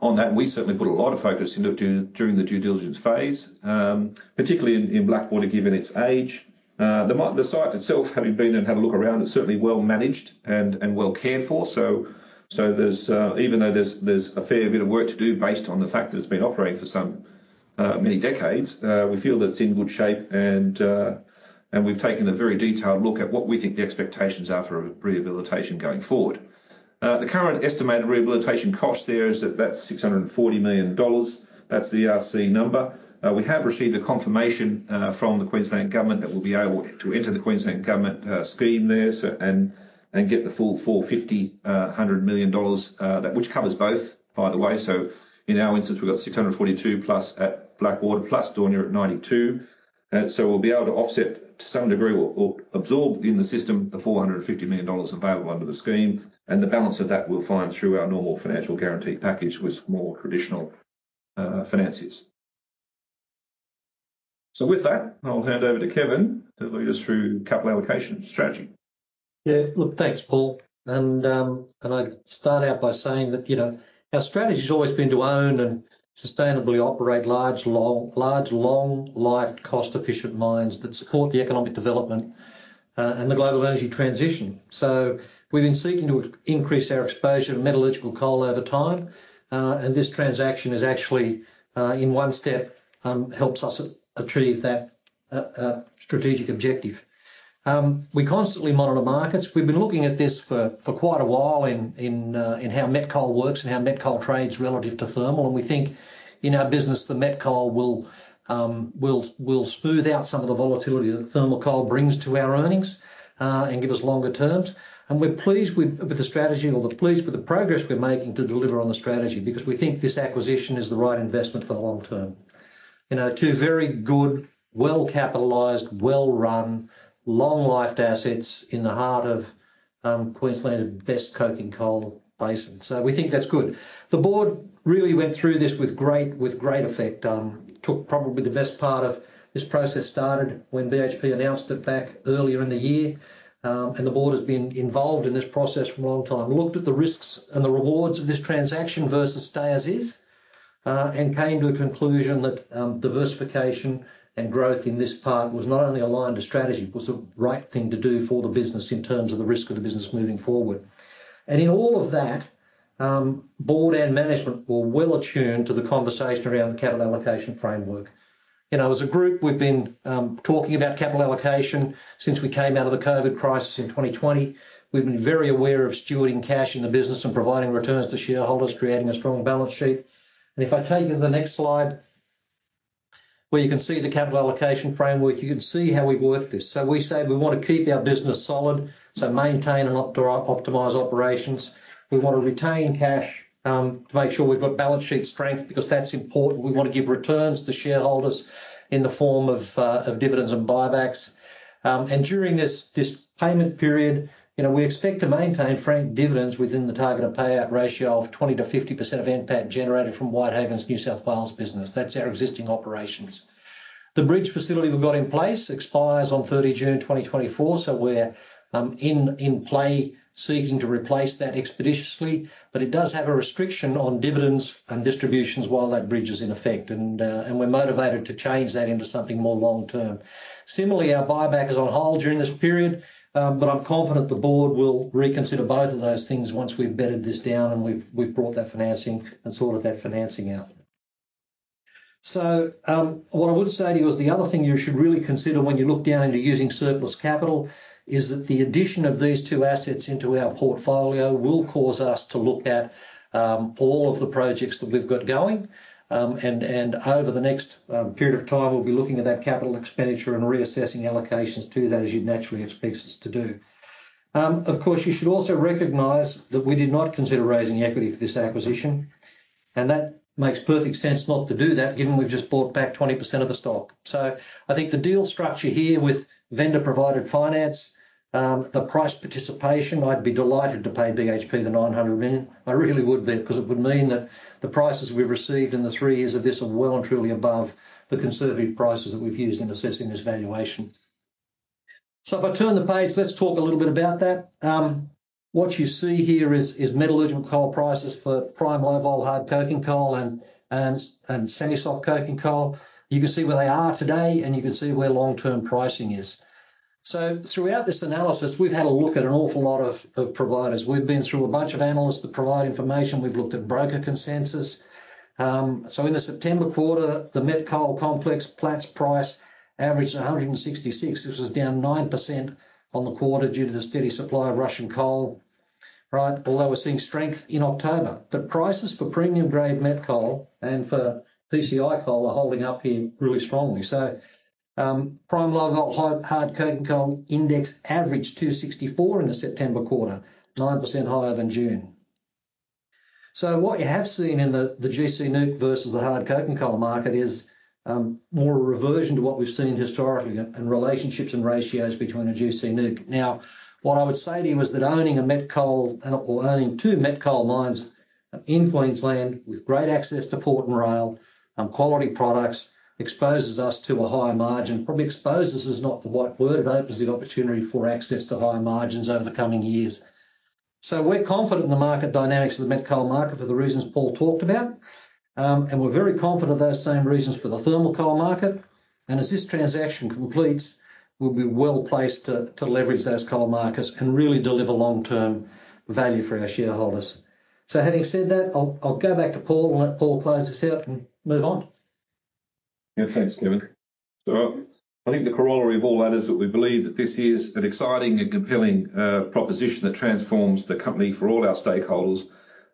that. We certainly put a lot of focus into during the due diligence phase, particularly in Blackwater, given its age. The site itself, having been and had a look around, is certainly well managed and well cared for, so there's even though there's a fair bit of work to do based on the fact that it's been operating for some many decades, we feel that it's in good shape, and we've taken a very detailed look at what we think the expectations are for rehabilitation going forward. The current estimated rehabilitation cost there is that's 640 million dollars. That's the ERC number. We have received a confirmation from the Queensland Government that we'll be able to enter the Queensland Government scheme there, so and get the full 450 million dollars, which covers both, by the way. So in our instance, we've got 642 plus at Blackwater, plus Daunia at 92. And so we'll be able to offset to some degree or, or absorb in the system the $450 million available under the scheme, and the balance of that we'll find through our normal financial guarantee package with more traditional finances. So with that, I'll hand over to Kevin to lead us through capital allocation strategy. Yeah. Look, thanks, Paul. And I'd start out by saying that, you know, our strategy has always been to own and sustainably operate large, long-lived, cost-efficient mines that support the economic development and the global energy transition. So we've been seeking to increase our exposure to metallurgical coal over time, and this transaction is actually in one step helps us achieve that strategic objective. We constantly monitor markets. We've been looking at this for quite a while in how met coal works and how met coal trades relative to thermal, and we think in our business, the met coal will smooth out some of the volatility that thermal coal brings to our earnings and give us longer terms. We're pleased with the strategy or we're pleased with the progress we're making to deliver on the strategy, because we think this acquisition is the right investment for the long term. You know, two very good, well-capitalized, well-run, long-lived assets in the heart of Queensland's best coking coal basin. So we think that's good. The board really went through this with great effect. Took probably the best part of this process, started when BHP announced it back earlier in the year. And the board has been involved in this process for a long time. We looked at the risks and the rewards of this transaction versus stay as is, and came to a conclusion that diversification and growth in this part was not only aligned to strategy, it was the right thing to do for the business in terms of the risk of the business moving forward. And in all of that, board and management were well attuned to the conversation around the capital allocation framework. You know, as a group, we've been talking about capital allocation since we came out of the COVID crisis in 2020. We've been very aware of stewarding cash in the business and providing returns to shareholders, creating a strong balance sheet. And if I take you to the next slide, where you can see the capital allocation framework, you can see how we've worked this. So we said we want to keep our business solid, so maintain and optimize operations. We want to retain cash, to make sure we've got balance sheet strength, because that's important. We want to give returns to shareholders in the form of, of dividends and buybacks. And during this, this payment period, you know, we expect to maintain franking dividends within the target of payout ratio of 20%-50% of NPAT generated from Whitehaven's New South Wales business. That's our existing operations. The bridge facility we've got in place expires on 30 June 2024, so we're in play, seeking to replace that expeditiously, but it does have a restriction on dividends and distributions while that bridge is in effect. And we're motivated to change that into something more long term. Similarly, our buyback is on hold during this period, but I'm confident the board will reconsider both of those things once we've bedded this down and we've brought that financing and sorted that financing out. So, what I would say to you is the other thing you should really consider when you look down into using surplus capital is that the addition of these two assets into our portfolio will cause us to look at all of the projects that we've got going. And over the next period of time, we'll be looking at that capital expenditure and reassessing allocations to that, as you'd naturally expect us to do. Of course, you should also recognize that we did not consider raising equity for this acquisition, and that makes perfect sense not to do that, given we've just bought back 20% of the stock. So I think the deal structure here with vendor-provided finance, the price participation, I'd be delighted to pay BHP the 900 million. I really would be, because it would mean that the prices we've received in the three years of this are well and truly above the conservative prices that we've used in assessing this valuation. So if I turn the page, let's talk a little bit about that. What you see here is metallurgical coal prices for prime, low-vol, Hard Coking Coal and semi-soft coking coal. You can see where they are today, and you can see where long-term pricing is. So throughout this analysis, we've had a look at an awful lot of providers. We've been through a bunch of analysts that provide information. We've looked at broker consensus. So in the September quarter, the met coal complex Platts price averaged $166, which was down 9% on the quarter due to the steady supply of Russian coal, right? Although we're seeing strength in October. But prices for premium-grade met coal and for PCI coal are holding up here really strongly. So prime, low-vol, high-hard coking coal index averaged $264 in the September quarter, 9% higher than June. So what you have seen in the gC NEWC versus the hard coking coal market is more a reversion to what we've seen historically and relationships and ratios between a gC NEWC. Now, what I would say to you is that owning a met coal, or owning two met coal mines in Queensland with great access to port and rail, quality products, exposes us to a higher margin. Probably exposes is not the right word, but opens the opportunity for access to higher margins over the coming years. So we're confident in the market dynamics of the met coal market for the reasons Paul talked about. And we're very confident of those same reasons for the thermal coal market. And as this transaction completes, we'll be well placed to, to leverage those coal markets and really deliver long-term value for our shareholders. So having said that, I'll, I'll go back to Paul, and let Paul close us out and move on. ... Yeah, thanks, Kevin. So I think the corollary of all that is that we believe that this is an exciting and compelling proposition that transforms the company for all our stakeholders,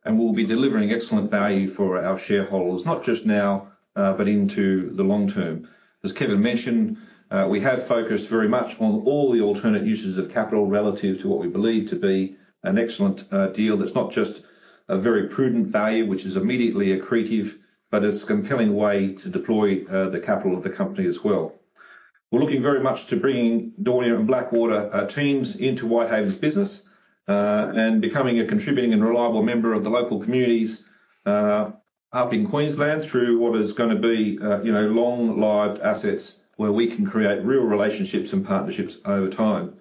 and we'll be delivering excellent value for our shareholders, not just now, but into the long term. As Kevin mentioned, we have focused very much on all the alternate uses of capital relative to what we believe to be an excellent deal, that's not just a very prudent value, which is immediately accretive, but it's a compelling way to deploy the capital of the company as well. We're looking very much to bringing Daunia and Blackwater teams into Whitehaven's business and becoming a contributing and reliable member of the local communities up in Queensland through what is gonna be, you know, long-lived assets, where we can create real relationships and partnerships over time.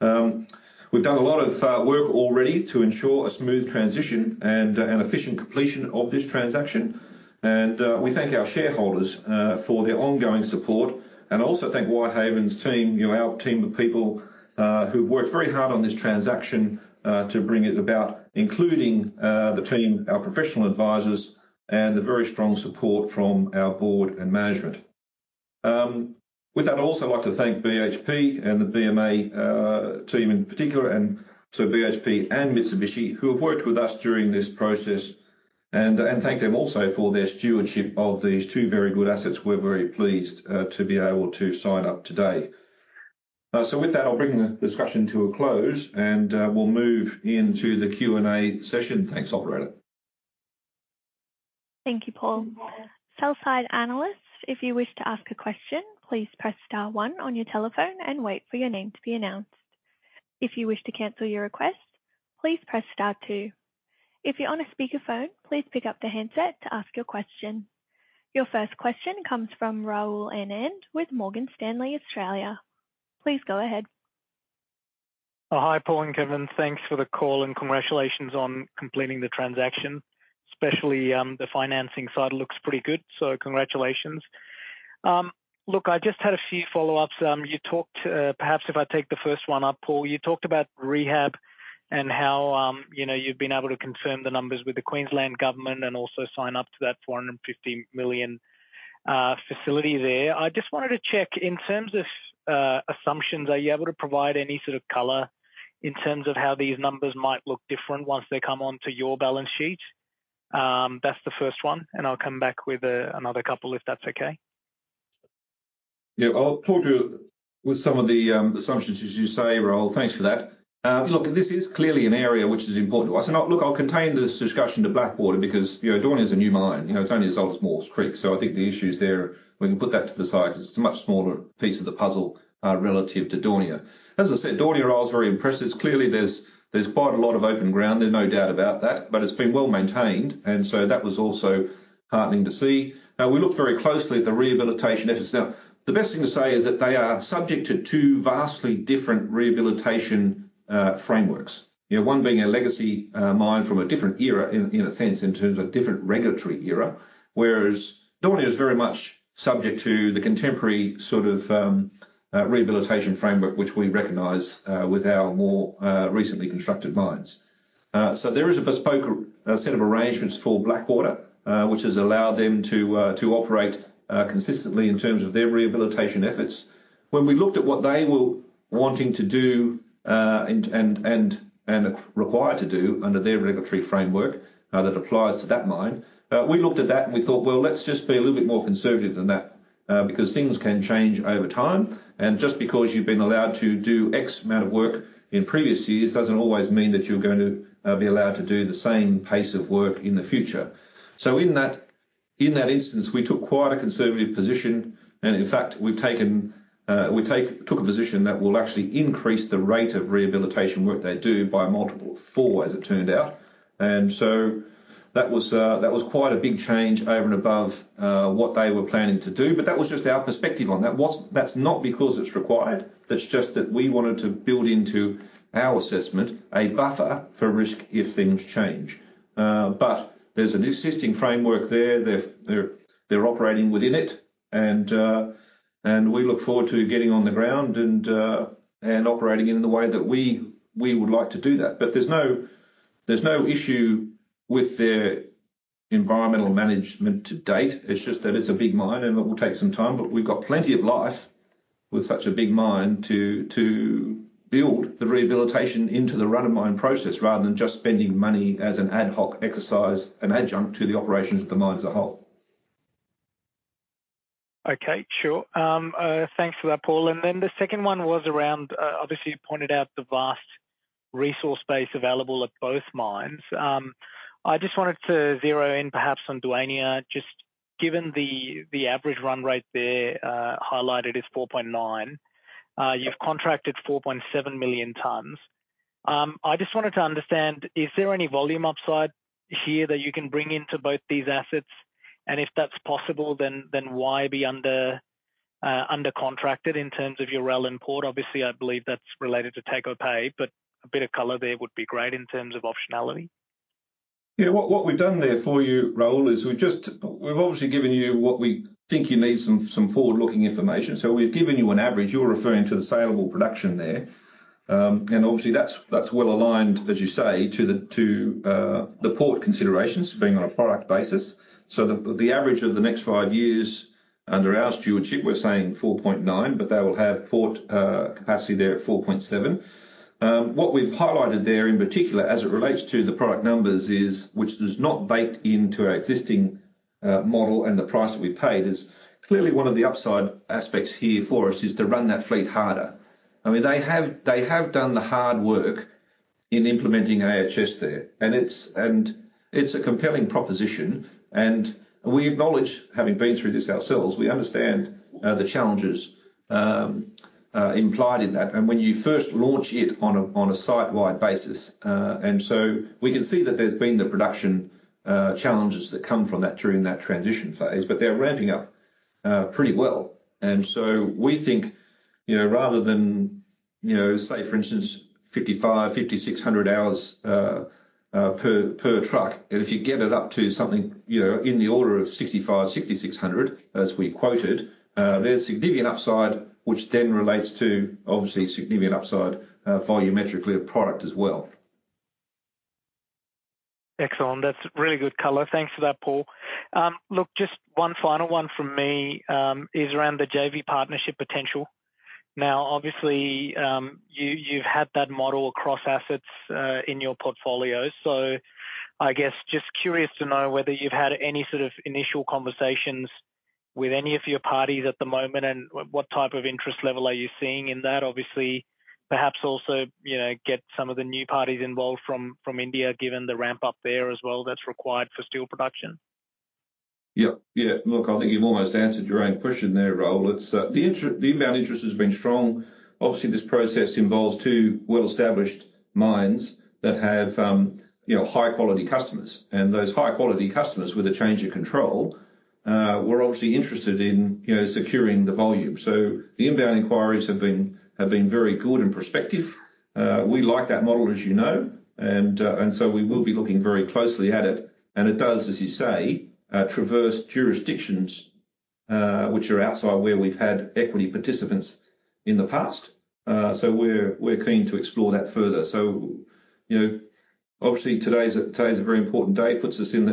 We've done a lot of work already to ensure a smooth transition and an efficient completion of this transaction. We thank our shareholders for their ongoing support, and also thank Whitehaven's team, you know, our team of people who've worked very hard on this transaction to bring it about, including the team, our professional advisors, and the very strong support from our board and management. With that, I'd also like to thank BHP and the BMA team in particular, and so BHP and Mitsubishi, who have worked with us during this process, and thank them also for their stewardship of these two very good assets. We're very pleased to be able to sign up today. So with that, I'll bring the discussion to a close, and we'll move into the Q&A session. Thanks, operator. Thank you, Paul. Sell-side analysts, if you wish to ask a question, please press star one on your telephone and wait for your name to be announced. If you wish to cancel your request, please press star two. If you're on a speakerphone, please pick up the handset to ask your question. Your first question comes from Rahul Anand with Morgan Stanley Australia. Please go ahead. Oh, hi, Paul and Kevin. Thanks for the call, and congratulations on completing the transaction, especially, the financing side looks pretty good, so congratulations. Look, I just had a few follow-ups. You talked, perhaps if I take the first one up, Paul, you talked about rehab and how, you know, you've been able to confirm the numbers with the Queensland Government and also sign up to that 450 million facility there. I just wanted to check, in terms of, assumptions, are you able to provide any sort of color in terms of how these numbers might look different once they come onto your balance sheet? That's the first one, and I'll come back with another couple, if that's okay. Yeah. I'll talk to you with some of the assumptions, as you say, Rahul. Thanks for that. Look, this is clearly an area which is important to us, and I'll contain this discussion to Blackwater because, you know, Daunia is a new mine. You know, it's only as old as Moors Creek, so I think the issues there, we can put that to the side because it's a much smaller piece of the puzzle relative to Daunia. As I said, Daunia, I was very impressed. It's clearly there's quite a lot of open ground, there's no doubt about that, but it's been well-maintained, and so that was also heartening to see. We looked very closely at the rehabilitation efforts. Now, the best thing to say is that they are subject to two vastly different rehabilitation frameworks. You know, one being a legacy mine from a different era in a sense, in terms of different regulatory era, whereas Daunia is very much subject to the contemporary sort of rehabilitation framework, which we recognize with our more recently constructed mines. So there is a bespoke set of arrangements for Blackwater, which has allowed them to operate consistently in terms of their rehabilitation efforts. When we looked at what they were wanting to do and required to do under their regulatory framework that applies to that mine, we looked at that and we thought, well, let's just be a little bit more conservative than that because things can change over time. And just because you've been allowed to do X amount of work in previous years, doesn't always mean that you're going to be allowed to do the same pace of work in the future. So in that instance, we took quite a conservative position, and in fact, we took a position that will actually increase the rate of rehabilitation work they do by a multiple of four, as it turned out. And so that was quite a big change over and above what they were planning to do, but that was just our perspective on that. That's not because it's required, that's just that we wanted to build into our assessment a buffer for risk if things change. But there's an existing framework there, they're operating within it, and, and we look forward to getting on the ground and, and operating in the way that we would like to do that. But there's no issue with their environmental management to date. It's just that it's a big mine, and it will take some time, but we've got plenty of life with such a big mine to build the rehabilitation into the run-of-mine process, rather than just spending money as an ad hoc exercise, an adjunct to the operations of the mine as a whole. Okay, sure. Thanks for that, Paul. And then the second one was around, obviously, you pointed out the vast resource base available at both mines. I just wanted to zero in perhaps on Daunia, just given the average run rate there, highlighted is 4.9. You've contracted 4.7 million tons. I just wanted to understand, is there any volume upside here that you can bring into both these assets? And if that's possible, then why be under contracted in terms of your rail and port? Obviously, I believe that's related to take-or-pay, but a bit of color there would be great in terms of optionality. Yeah, what, what we've done there for you, Rahul, is we've just. We've obviously given you what we think you need some forward-looking information. So we've given you an average, you're referring to the salable production there. And obviously, that's well aligned, as you say, to the port considerations being on a product basis. So the average of the next five years under our stewardship, we're saying 4.9, but they will have port capacity there at 4.7. What we've highlighted there, in particular, as it relates to the product numbers is, which is not baked into our existing model and the price that we paid, is clearly one of the upside aspects here for us is to run that fleet harder. I mean, they have, they have done the hard work in implementing AHS there, and it's, and it's a compelling proposition, and we acknowledge, having been through this ourselves, we understand, the challenges implied in that. And when you first launch it on a, on a site-wide basis, and so we can see that there's been the production challenges that come from that during that transition phase, but they're ramping up pretty well. And so we think, you know, rather than, you know, say, for instance, 5,500-5,600 hours per truck, and if you get it up to something, you know, in the order of 6,500-6,600, as we quoted, there's significant upside, which then relates to obviously significant upside volumetrically of product as well. Excellent. That's really good color. Thanks for that, Paul. Look, just one final one from me, is around the JV partnership potential. Now, obviously, you, you've had that model across assets, in your portfolio, so I guess just curious to know whether you've had any sort of initial conversations with any of your parties at the moment, and what type of interest level are you seeing in that? Obviously, perhaps also, you know, get some of the new parties involved from India, given the ramp-up there as well, that's required for steel production. Yeah, yeah. Look, I think you've almost answered your own question there, Rahul. It's the inbound interest has been strong. Obviously, this process involves two well-established mines that have, you know, high-quality customers. And those high-quality customers, with a change of control, were obviously interested in, you know, securing the volume. So the inbound inquiries have been very good in perspective. We like that model, as you know, and so we will be looking very closely at it, and it does, as you say, traverse jurisdictions, which are outside where we've had equity participants in the past. So we're keen to explore that further. So, you know, obviously, today's a very important day. It puts us in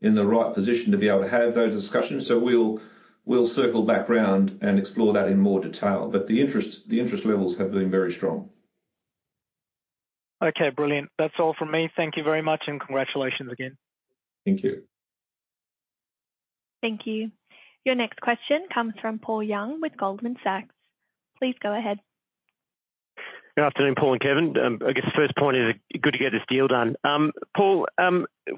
the right position to be able to have those discussions. So we'll circle back round and explore that in more detail. But the interest levels have been very strong. Okay, brilliant. That's all from me. Thank you very much, and congratulations again. Thank you. Thank you. Your next question comes from Paul Young with Goldman Sachs. Please go ahead. Good afternoon, Paul and Kevin. I guess the first point is, good to get this deal done. Paul,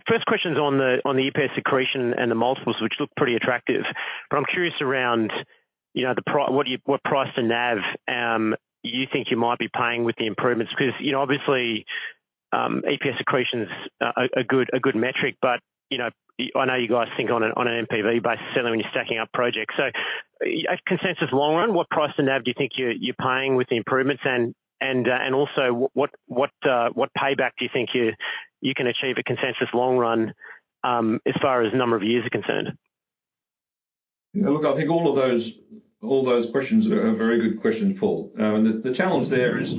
first question's on the, on the EPS accretion and the multiples, which look pretty attractive. But I'm curious around, you know, what you, what price to NAV, you think you might be paying with the improvements? Because, you know, obviously, EPS accretion is a good metric, but, you know, I know you guys think on a, on a NPV basis, certainly when you're stacking up projects. So, consensus long run, what price to NAV do you think you're, you're paying with the improvements? And, and, and also, what payback do you think you, you can achieve a consensus long run, as far as number of years are concerned? Yeah, look, I think all of those questions are very good questions, Paul. The challenge there is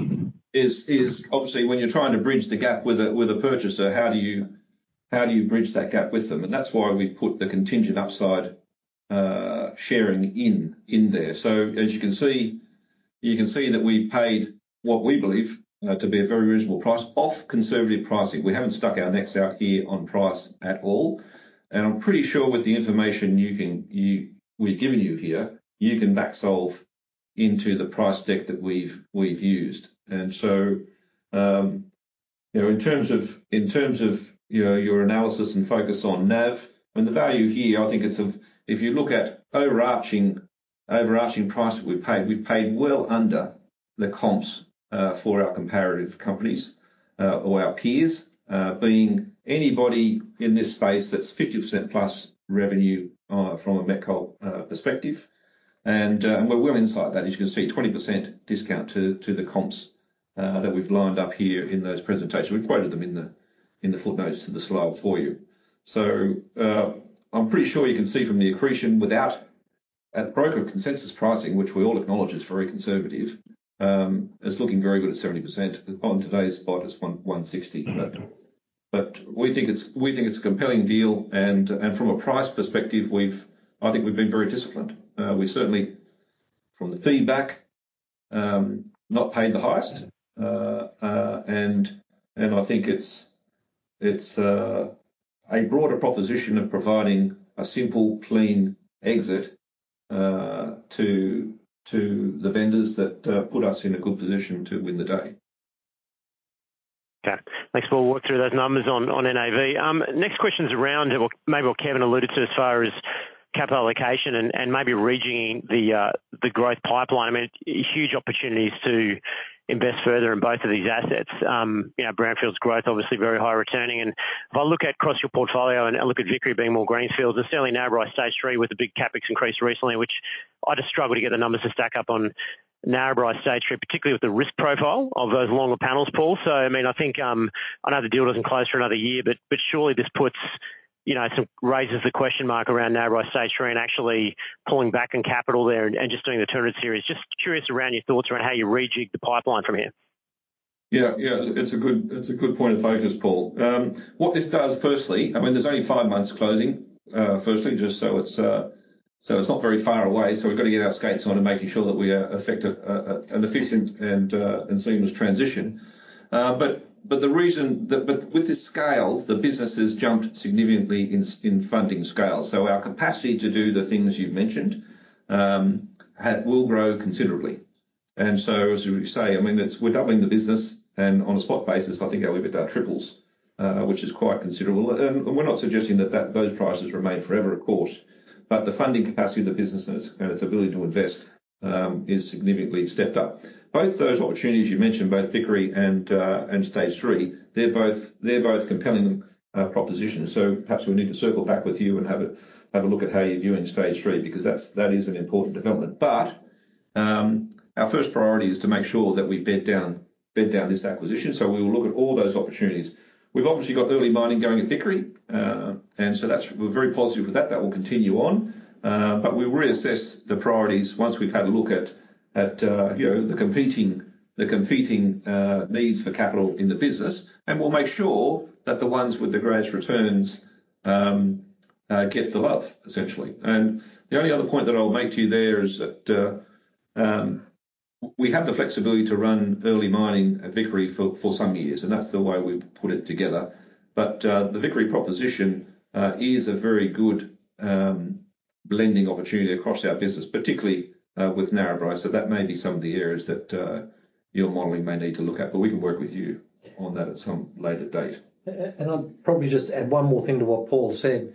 obviously when you're trying to bridge the gap with a purchaser, how do you bridge that gap with them? And that's why we put the contingent upside sharing in there. So as you can see, we've paid what we believe to be a very reasonable price off conservative pricing. We haven't stuck our necks out here on price at all, and I'm pretty sure with the information we've given you here, you can back solve into the price deck that we've used. And so, you know, in terms of your analysis and focus on NAV, and the value here, I think it's of... If you look at the overarching price that we've paid, we've paid well under the comps for our comparative companies or our peers, being anybody in this space that's 50% plus revenue from a metallurgical perspective. We're well inside that. As you can see, 20% discount to the comps that we've lined up here in those presentations. We've quoted them in the footnotes to the slide for you. So, I'm pretty sure you can see from the accretion at broker consensus pricing, which we all acknowledge is very conservative, is looking very good at 70%. On today's spot, it's $160. But we think it's a compelling deal, and from a price perspective, we've, I think we've been very disciplined. We certainly, from the feedback, not paid the highest. And I think it's a broader proposition of providing a simple, clean exit to the vendors that put us in a good position to win the day. Okay. Thanks for walking through those numbers on, on NAV. Next question is around what-- maybe what Kevin alluded to as far as capital allocation and, and maybe reaching the, the growth pipeline. I mean, huge opportunities to invest further in both of these assets. You know, brownfields growth, obviously very high returning. And if I look at across your portfolio and I look at Vickery being more greenfields, and certainly Narrabri Stage Three, with the big CapEx increase recently, which I just struggle to get the numbers to stack up on Narrabri Stage Three, particularly with the risk profile of those longer panels, Paul. So, I mean, I think, I know the deal doesn't close for another year, but, but surely this puts-... You know, so raises the question mark around now, where I say, uncertain, actually pulling back on capital there and just doing the turnaround series. Just curious around your thoughts around how you rejig the pipeline from here? Yeah, yeah, it's a good point of focus, Paul. What this does, firstly, I mean, there's only five months closing, firstly, just so it's not very far away, so we've got to get our skates on and making sure that we are effective, an efficient and seamless transition. But with this scale, the business has jumped significantly in funding scale. So our capacity to do the things you've mentioned will grow considerably. And so, as you say, I mean, it's, we're doubling the business, and on a spot basis, I think our EBITDA triples, which is quite considerable. And we're not suggesting that those prices remain forever, of course, but the funding capacity of the business and its ability to invest is significantly stepped up. Both those opportunities you mentioned, both Vickery and Stage three, they're both compelling propositions. So perhaps we need to circle back with you and have a look at how you're viewing Stage three, because that is an important development. But our first priority is to make sure that we bed down this acquisition, so we will look at all those opportunities. We've obviously got early mining going at Vickery, and so that's... We're very positive with that. That will continue on. But we'll reassess the priorities once we've had a look at, you know, the competing needs for capital in the business, and we'll make sure that the ones with the greatest returns get the love, essentially. And the only other point that I'll make to you there is that we have the flexibility to run early mining at Vickery for some years, and that's the way we've put it together. But the Vickery proposition is a very good blending opportunity across our business, particularly with Narrabri. So that may be some of the areas that your modeling may need to look at, but we can work with you on that at some later date. And I'll probably just add one more thing to what Paul said.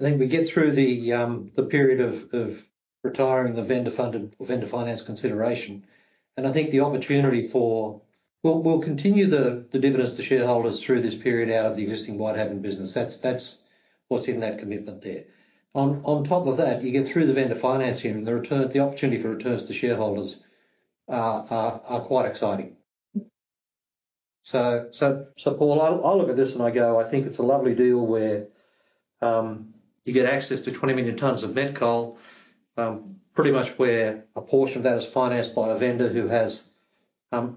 I think we get through the period of retiring the vendor-funded vendor finance consideration, and I think the opportunity for... We'll continue the dividends to shareholders through this period out of the existing Whitehaven business. That's what's in that commitment there. On top of that, you get through the vendor financing and the return, the opportunity for returns to shareholders are quite exciting. Paul, I look at this and I go, I think it's a lovely deal where you get access to 20 million tons of met coal, pretty much where a portion of that is financed by a vendor who has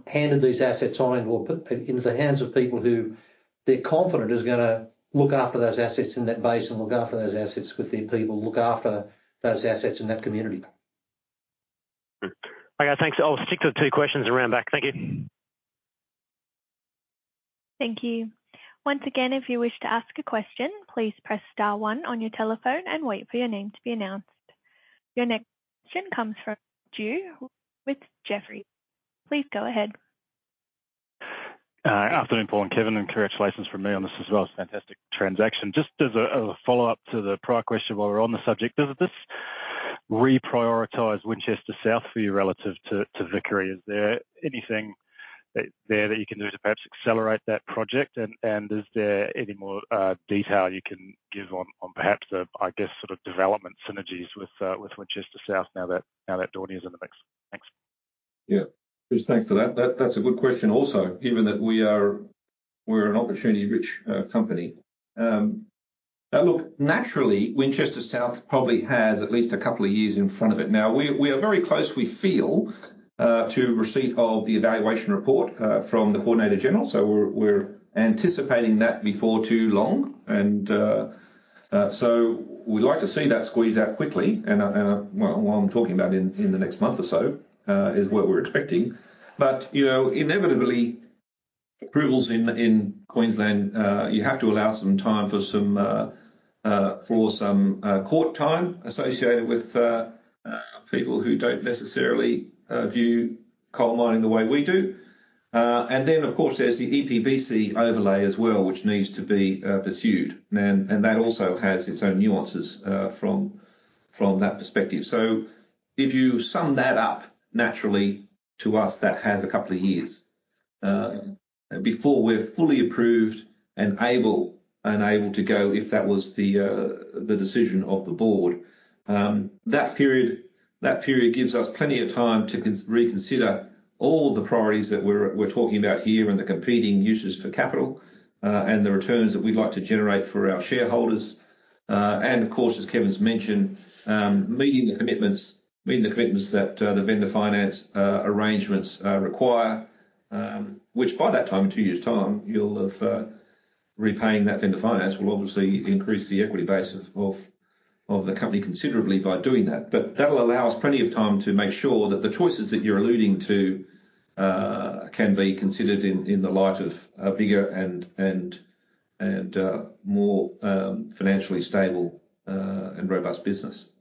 handed these assets on or put them into the hands of people who they're confident is gonna look after those assets in that Basin and look after those assets with their people, look after those assets in that community. Hmm. Okay, thanks. I'll stick to the two questions around Blackwater. Thank you. Thank you. Once again, if you wish to ask a question, please press star one on your telephone and wait for your name to be announced. Your next question comes from Drew with Jefferies. Please go ahead. Afternoon, Paul and Kevin, and congratulations from me on this as well. It's a fantastic transaction. Just as a follow-up to the prior question, while we're on the subject, does this reprioritize Winchester South for you relative to Vickery? Is there anything that you can do to perhaps accelerate that project? And is there any more detail you can give on perhaps the, I guess, sort of development synergies with Winchester South now that Daunia is in the mix? Thanks. Yeah. Chris, thanks for that. That's a good question also, given that we are, we're an opportunity-rich company. Now look, naturally, Winchester South probably has at least a couple of years in front of it. Now, we are very close, we feel, to receipt of the evaluation report from the Coordinator-General, so we're anticipating that before too long. And so we'd like to see that squeezed out quickly. Well, what I'm talking about in the next month or so is what we're expecting. But, you know, inevitably, approvals in Queensland, you have to allow some time for some court time associated with people who don't necessarily view coal mining the way we do. And then, of course, there's the EPBC overlay as well, which needs to be pursued. And that also has its own nuances from that perspective. So if you sum that up naturally to us, that has a couple of years before we're fully approved and able to go, if that was the decision of the board. That period gives us plenty of time to reconsider all the priorities that we're talking about here and the competing uses for capital, and the returns that we'd like to generate for our shareholders. And of course, as Kevin's mentioned, meeting the commitments that the vendor finance arrangements require, which by that time, in two years' time, you'll have repaying that vendor finance will obviously increase the equity base of the company considerably by doing that. But that will allow us plenty of time to make sure that the choices that you're alluding to can be considered in the light of a bigger and more financially stable and robust business.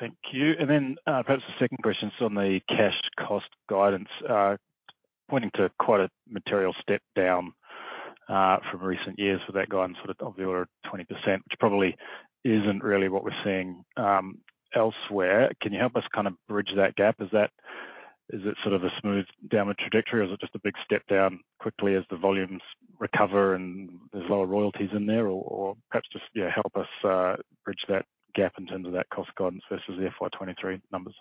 Thank you. And then, perhaps the second question is on the cash cost guidance, pointing to quite a material step down from recent years for that guide and sort of of the order of 20%, which probably isn't really what we're seeing elsewhere. Can you help us kind of bridge that gap? Is that, is it sort of a smooth downward trajectory, or is it just a big step down quickly as the volumes recover and there's lower royalties in there, or, or perhaps just, yeah, help us bridge that gap in terms of that cost guidance versus the FY 2023 numbers?...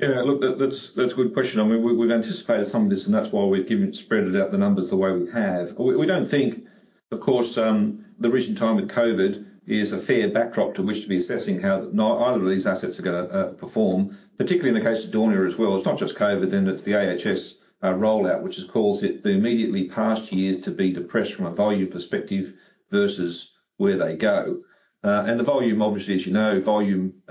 Yeah, look, that's a good question. I mean, we've anticipated some of this, and that's why we've given, spread it out the numbers the way we have. We don't think, of course, the recent time with COVID is a fair backdrop to which to be assessing how not either of these assets are gonna perform, particularly in the case of Daunia as well. It's not just COVID, then it's the AHS rollout, which has caused it, the immediately past years to be depressed from a volume perspective versus where they go. And the volume, obviously, as you know, volume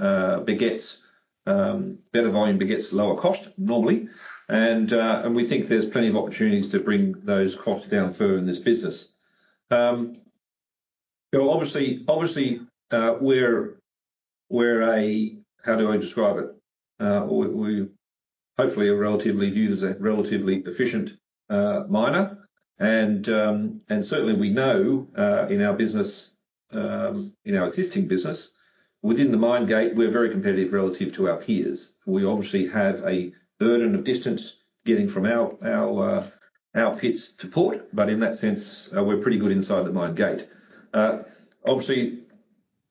begets better volume begets lower cost normally. And we think there's plenty of opportunities to bring those costs down further in this business. So obviously, we're a... How do I describe it? We hopefully are relatively viewed as a relatively efficient miner, and certainly we know in our business, in our existing business, within the mine gate, we're very competitive relative to our peers. We obviously have a burden of distance getting from our pits to port, but in that sense, we're pretty good inside the mine gate. Obviously,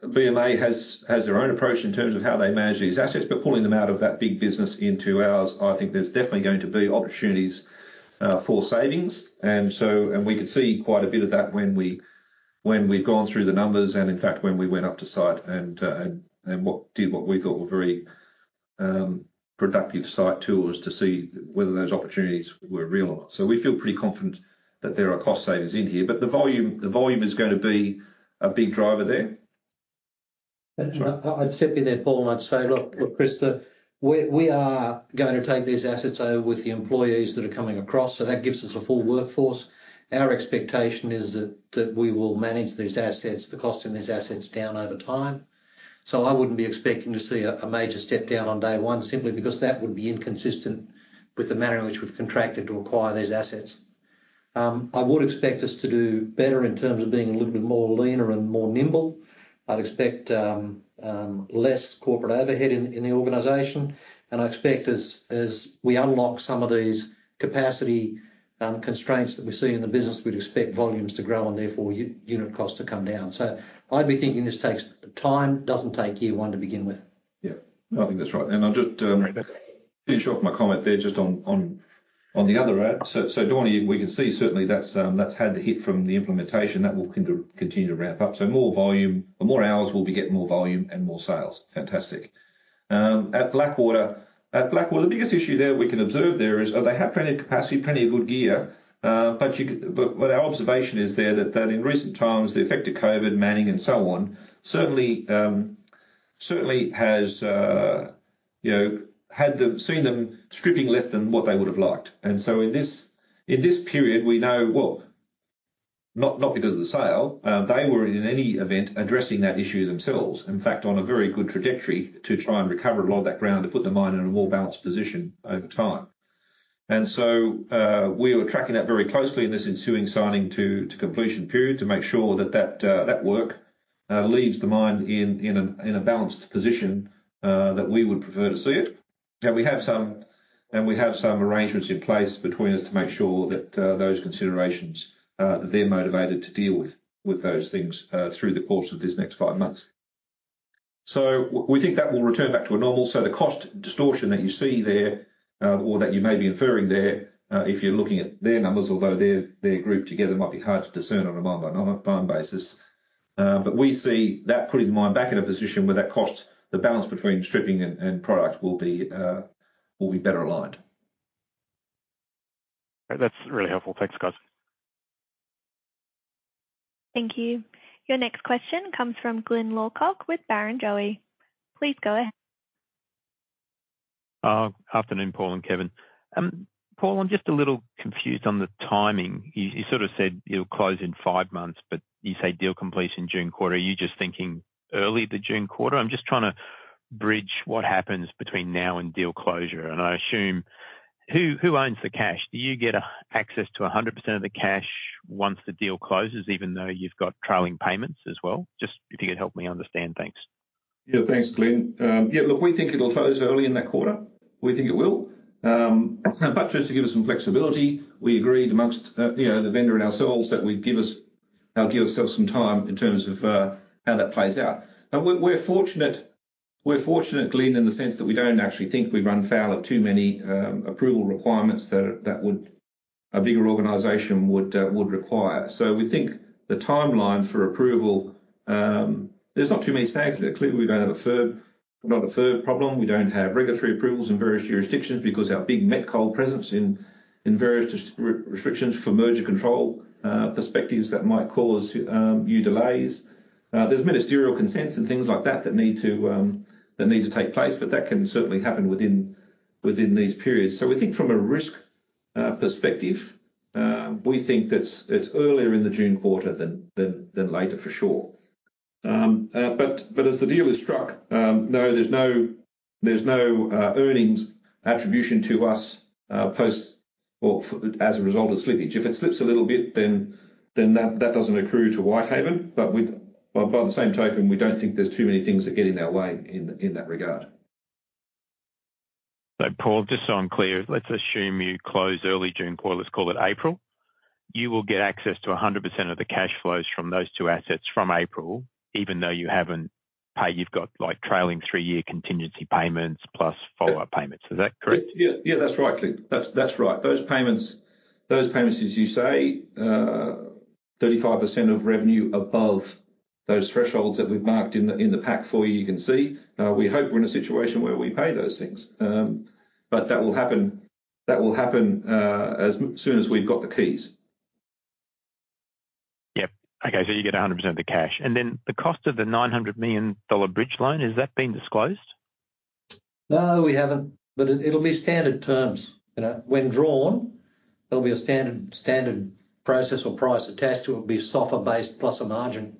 BMA has their own approach in terms of how they manage these assets, but pulling them out of that big business into ours, I think there's definitely going to be opportunities for savings. We could see quite a bit of that when we've gone through the numbers, and in fact, when we went up to site and what we thought were very productive site tours to see whether those opportunities were real or not. So we feel pretty confident that there are cost savings in here, but the volume, the volume is gonna be a big driver there. I'd chip in there, Paul, and I'd say, look, look, Chris, we are going to take these assets over with the employees that are coming across, so that gives us a full workforce. Our expectation is that we will manage these assets, the cost in these assets down over time. So I wouldn't be expecting to see a major step down on day one simply because that would be inconsistent with the manner in which we've contracted to acquire these assets. I would expect us to do better in terms of being a little bit more leaner and more nimble. I'd expect less corporate overhead in the organization, and I expect as we unlock some of these capacity constraints that we see in the business, we'd expect volumes to grow and therefore unit costs to come down. I'd be thinking this takes time, doesn't take year one to begin with. Yeah, I think that's right. And I'll just finish off my comment there just on the other end. So Daunia, we can see certainly that's had the hit from the implementation. That will continue to ramp up. So more volume, more hours, we'll be getting more volume and more sales, fantastic. At Blackwater, the biggest issue there we can observe there is, oh, they have plenty of capacity, plenty of good gear, but our observation is there that in recent times, the effect of COVID, manning, and so on, certainly has you know had seen them stripping less than what they would have liked. So in this period, we know, well, not because of the sale, they were in any event addressing that issue themselves. In fact, on a very good trajectory to try and recover a lot of that ground to put the mine in a more balanced position over time. So we were tracking that very closely in this ensuing signing to completion period to make sure that that work leaves the mine in a balanced position that we would prefer to see it. Now, we have some arrangements in place between us to make sure that those considerations that they're motivated to deal with those things through the course of this next five months. So we think that will return back to a normal. So the cost distortion that you see there, or that you may be inferring there, if you're looking at their numbers, although they're grouped together, might be hard to discern on a mine by mine basis. But we see that putting the mine back in a position where that cost, the balance between stripping and product will be better aligned. That's really helpful. Thanks, guys. Thank you. Your next question comes from Glyn Lawcock with Barrenjoey. Please go ahead. Afternoon, Paul and Kevin. Paul, I'm just a little confused on the timing. You sort of said it'll close in five months, but you say deal complete in June quarter. Are you just thinking early the June quarter? I'm just trying to bridge what happens between now and deal closure, and I assume... Who owns the cash? Do you get a access to 100% of the cash once the deal closes, even though you've got trailing payments as well? Just if you could help me understand. Thanks. Yeah, thanks, Glyn. Yeah, look, we think it'll close early in that quarter. We think it will. But just to give us some flexibility, we agreed amongst, you know, the vendor and ourselves, that we'd give us, give ourselves some time in terms of, how that plays out. But we, we're fortunate, we're fortunate, Glyn, in the sense that we don't actually think we run foul of too many, approval requirements that that would, a bigger organization would, would require. So we think the timeline for approval, there's not too many snags there. Clearly, we don't have a FIRB, not a FIRB problem. We don't have regulatory approvals in various jurisdictions because our big met coal presence in various restrictions for merger control, perspectives that might cause, you delays. There's ministerial consents and things like that that need to take place, but that can certainly happen within these periods. So we think from a risk perspective, we think that it's earlier in the June quarter than later for sure. But as the deal is struck, no, there's no earnings attribution to us post or as a result of slippage. If it slips a little bit, then that doesn't accrue to Whitehaven. But by the same token, we don't think there's too many things that get in our way in that regard. So, Paul, just so I'm clear, let's assume you close early June quarter, let's call it April. You will get access to 100% of the cash flows from those two assets from April, even though you haven't paid, you've got, like, trailing three-year contingency payments plus follow-up payments. Is that correct? Yeah. Yeah, that's right, Clint. That's, that's right. Those payments, those payments, as you say, 35% of revenue above those thresholds that we've marked in the, in the pack for you, you can see. We hope we're in a situation where we pay those things. But that will happen, that will happen, as soon as we've got the keys. Yep. Okay, so you get 100% of the cash, and then the cost of the $900 million bridge loan, has that been disclosed? No, we haven't, but it, it'll be standard terms. You know, when drawn, there'll be a standard, standard process or price attached to it. It will be SOFR-based plus a margin,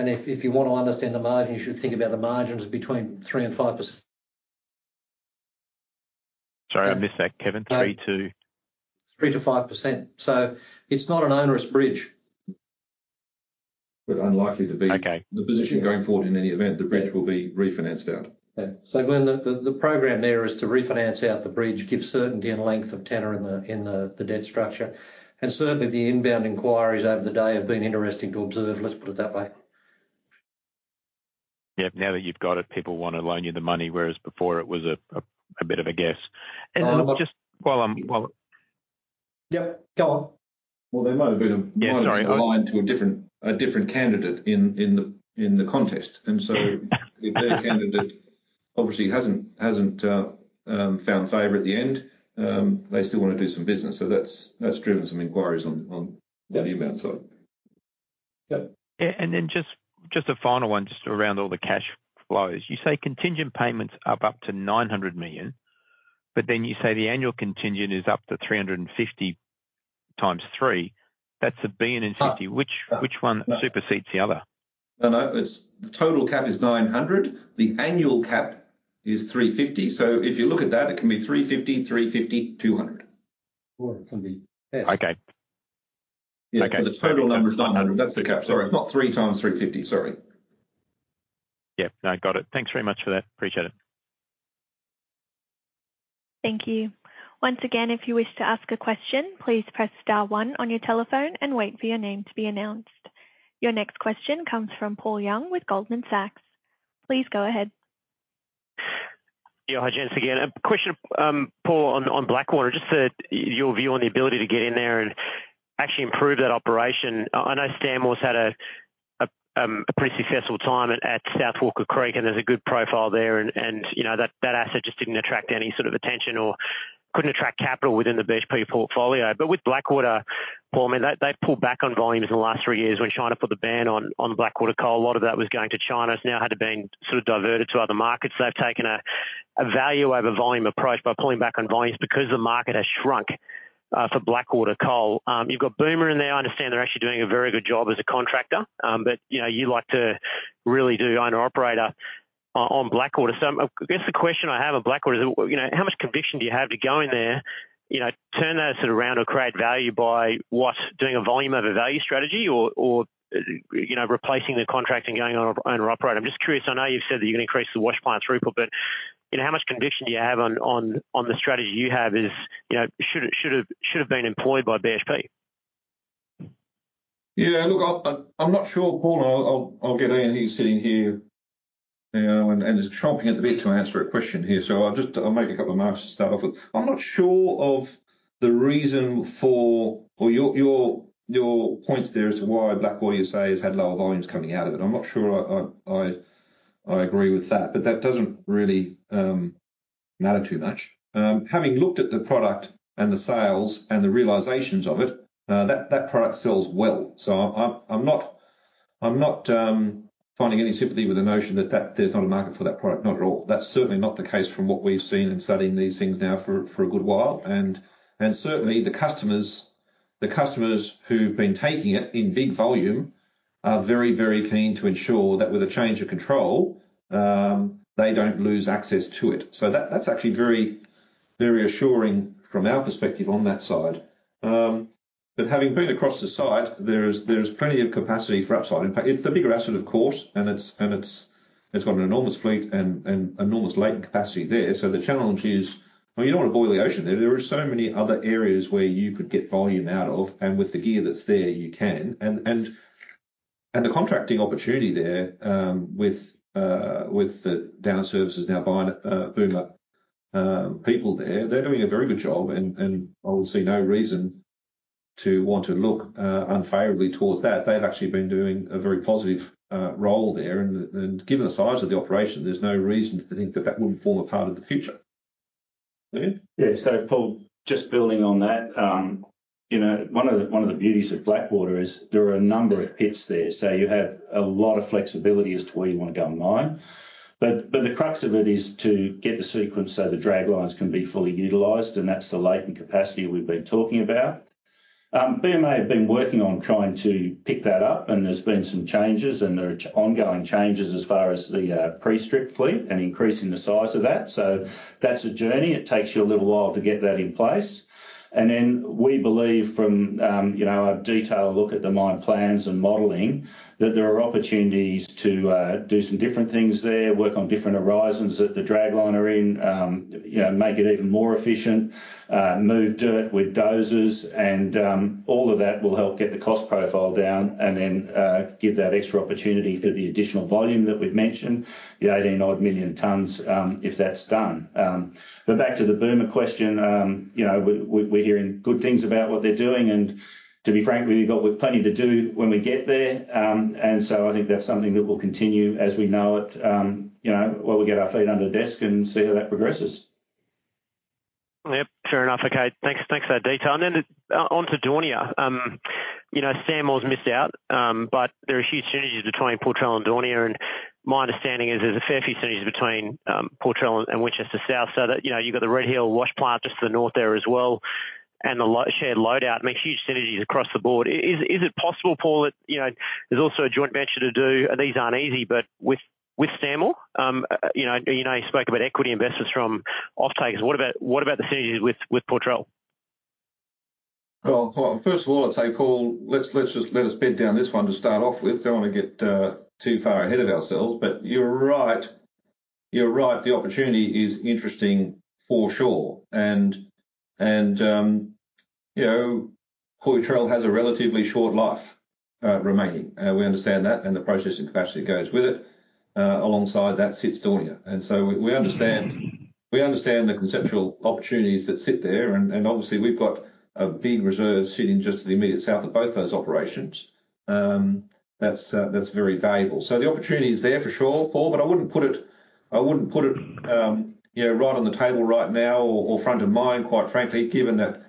and if, if you want to understand the margin, you should think about the margin is between 3% and 5%. Sorry, I missed that, Kevin. Three to? 3%-5%. So it's not an onerous bridge. But unlikely to be- Okay. The position going forward, in any event, the bridge will be refinanced out. Yeah. So, Glyn, the program there is to refinance out the bridge, give certainty and length of tenure in the debt structure, and certainly the inbound inquiries over the day have been interesting to observe, let's put it that way. Yeah. Now that you've got it, people want to loan you the money, whereas before it was a bit of a guess. And then just while I'm, while- Yeah, go on. Well, there might have been a- Yeah, sorry... line to a different candidate in the contest, and so if their candidate obviously hasn't found favor at the end, they still want to do some business. So that's driven some inquiries on the inbound side. Yeah. Yeah, and then just a final one just around all the cash flows. You say contingent payments up to 900 million, but then you say the annual contingent is up to 350 x 3. That's AUD 1.05 billion. Ah. Which, which one supersedes the other? No, no, it's the total cap is 900. The annual cap is 350. So if you look at that, it can be 350, 350, 200. Or it can be less. Okay. Okay. The total number is 900. That's the cap. Sorry, it's not 3 x 350. Sorry. Yeah, no, got it. Thanks very much for that. Appreciate it. Thank you. Once again, if you wish to ask a question, please press star one on your telephone and wait for your name to be announced. Your next question comes from Paul Young with Goldman Sachs. Please go ahead. Yeah, hi, gents, again. Question, Paul, on Blackwater, just your view on the ability to get in there and actually improve that operation. I know Stanmore's had a pretty successful time at South Walker Creek, and there's a good profile there and, you know, that asset just didn't attract any sort of attention or couldn't attract capital within the BHP portfolio. But with Blackwater, Paul, I mean, they pulled back on volumes in the last three years when China put the ban on Blackwater coal. A lot of that was going to China. It's now had to been sort of diverted to other markets. They've taken a value over volume approach by pulling back on volumes because the market has shrunk for Blackwater coal. You've got BUMA in there. I understand they're actually doing a very good job as a contractor. But, you know, you like to really do owner-operator on Blackwater. So I guess the question I have on Blackwater is, you know, how much conviction do you have to go in there, you know, turn that sort of around or create value by what? Doing a volume over value strategy or, or, you know, replacing the contract and going on owner-operator? I'm just curious, I know you've said that you're gonna increase the wash plant throughput, but, you know, how much conviction do you have on the strategy you have is... You know, should have been employed by BHP? Yeah, look, I'm not sure, Paul. I'll get Ian. He's sitting here and is chomping at the bit to answer a question here, so I'll just make a couple of marks to start off with. I'm not sure of the reason for... Or your point there as to why Blackwater, you say, has had lower volumes coming out of it. I'm not sure I agree with that, but that doesn't really matter too much. Having looked at the product and the sales and the realizations of it, that product sells well. So I'm not finding any sympathy with the notion that there's not a market for that product. Not at all. That's certainly not the case from what we've seen in studying these things now for a good while. And certainly the customers who've been taking it in big volume are very, very keen to ensure that with a change of control, they don't lose access to it. So that's actually very, very assuring from our perspective on that side. But having been across the site, there is plenty of capacity for upside. In fact, it's the bigger asset, of course, and it's got an enormous fleet and enormous latent capacity there. So the challenge is, well, you don't want to boil the ocean there. There are so many other areas where you could get volume out of, and with the gear that's there, you can. And the contracting opportunity there, with the Downer services now by BUMA people there, they're doing a very good job, and I would see no reason to want to look unfavorably towards that. They've actually been doing a very positive role there, and given the size of the operation, there's no reason to think that that wouldn't form a part of the future. Ian? Yeah, so Paul, just building on that, you know, one of the beauties of Blackwater is there are a number of pits there, so you have a lot of flexibility as to where you want to go mine. But the crux of it is to get the sequence so the draglines can be fully utilized, and that's the latent capacity we've been talking about. BMA have been working on trying to pick that up, and there's been some changes, and there are ongoing changes as far as the pre-strip fleet and increasing the size of that. So that's a journey. It takes you a little while to get that in place. ... And then we believe from, you know, a detailed look at the mine plans and modeling, that there are opportunities to, do some different things there, work on different horizons that the dragline are in, you know, make it even more efficient, move dirt with dozers, and, all of that will help get the cost profile down and then, give that extra opportunity for the additional volume that we've mentioned, the 18-odd million tons, if that's done. But back to the BUMA question, you know, we're hearing good things about what they're doing, and to be frank with you, we've got plenty to do when we get there. And so I think that's something that will continue as we know it, you know, while we get our feet under the desk and see how that progresses. Yep, fair enough. Okay. Thanks, thanks for that detail. And then on to Daunia. You know, Stanmore's missed out, but there are huge synergies between Poitrel and Daunia, and my understanding is there's a fair few synergies between Poitrel and Winchester South, so that, you know, you've got the Red Hill Wash Plant just to the north there as well, and the shared load out makes huge synergies across the board. Is it possible, Paul, that, you know, there's also a joint venture to do, and these aren't easy, but with, with Stanmore? You know, you know, you spoke about equity investors from offtakers. What about, what about the synergies with, with Poitrel? Well, well, first of all, I'd say, Paul, let's, let's just let us bed down this one to start off with. Don't want to get, too far ahead of ourselves, but you're right. You're right, the opportunity is interesting for sure, and, and, you know, Poitrel has a relatively short life, remaining. We understand that, and the processing capacity goes with it. Alongside that sits Daunia, and so we, we understand, we understand the conceptual opportunities that sit there, and, and obviously, we've got a big reserve sitting just to the immediate south of both those operations. That's, that's very valuable. So the opportunity is there for sure, Paul, but I wouldn't put it, you know, right on the table right now or front of mind, quite frankly, given that,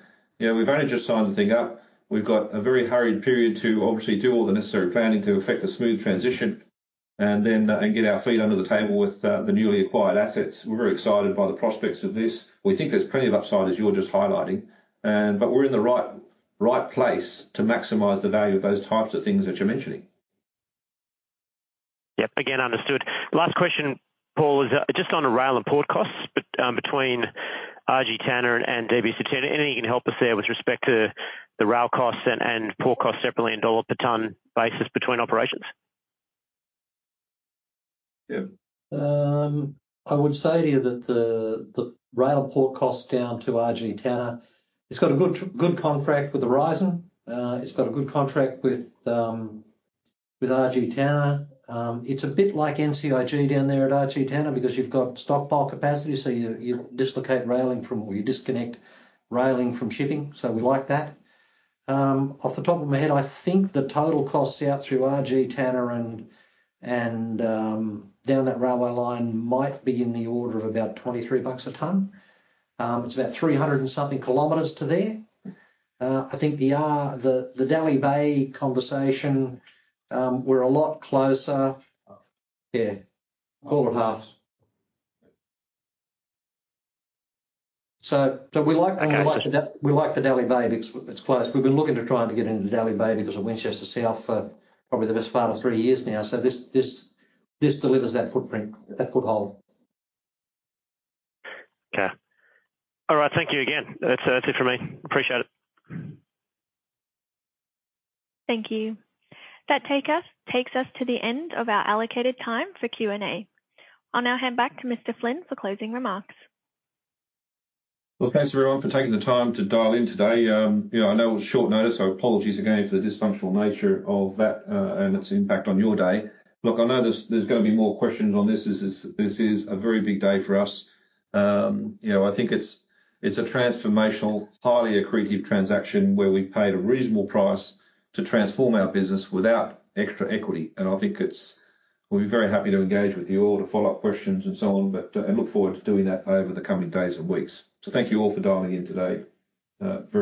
you know, we've only just signed the thing up. We've got a very hurried period to obviously do all the necessary planning to effect a smooth transition, and then and get our feet under the table with the newly acquired assets. We're very excited by the prospects of this. We think there's plenty of upside, as you're just highlighting, and, but we're in the right place to maximize the value of those types of things that you're mentioning. Yep, again, understood. Last question, Paul, is just on the rail and port costs between RG Tanna and DBCT. Anything you can help us there with respect to the rail costs and port costs separately in dollar per ton basis between operations? Yeah. I would say to you that the rail port cost down to RG Tanna, it's got a good contract with Aurizon. It's got a good contract with RG Tanna. It's a bit like NCIG down there at RG Tanna because you've got stockpile capacity, so you dislocate railing from or you disconnect railing from shipping, so we like that. Off the top of my head, I think the total costs out through RG Tanna and down that railway line might be in the order of about 23 bucks a ton. It's about 300-something kilometers to there. I think the Dalrymple Bay conversation, we're a lot closer. Yeah, 4.5. So we like- Okay. We like the Dalrymple Bay because it's close. We've been looking to trying to get into Dalrymple Bay because of Winchester South for probably the best part of three years now. So this delivers that footprint, that foothold. Okay. All right. Thank you again. That's, that's it for me. Appreciate it. Thank you. That take us, takes us to the end of our allocated time for Q&A. I'll now hand back to Mr. Flynn for closing remarks. Well, thanks, everyone, for taking the time to dial in today. You know, I know it was short notice, so apologies again for the dysfunctional nature of that, and its impact on your day. Look, I know there's gonna be more questions on this. This is a very big day for us. You know, I think it's a transformational, highly accretive transaction where we paid a reasonable price to transform our business without extra equity, and I think it's... We'll be very happy to engage with you all to follow up questions and so on, but, I look forward to doing that over the coming days and weeks. So thank you all for dialing in today. Very-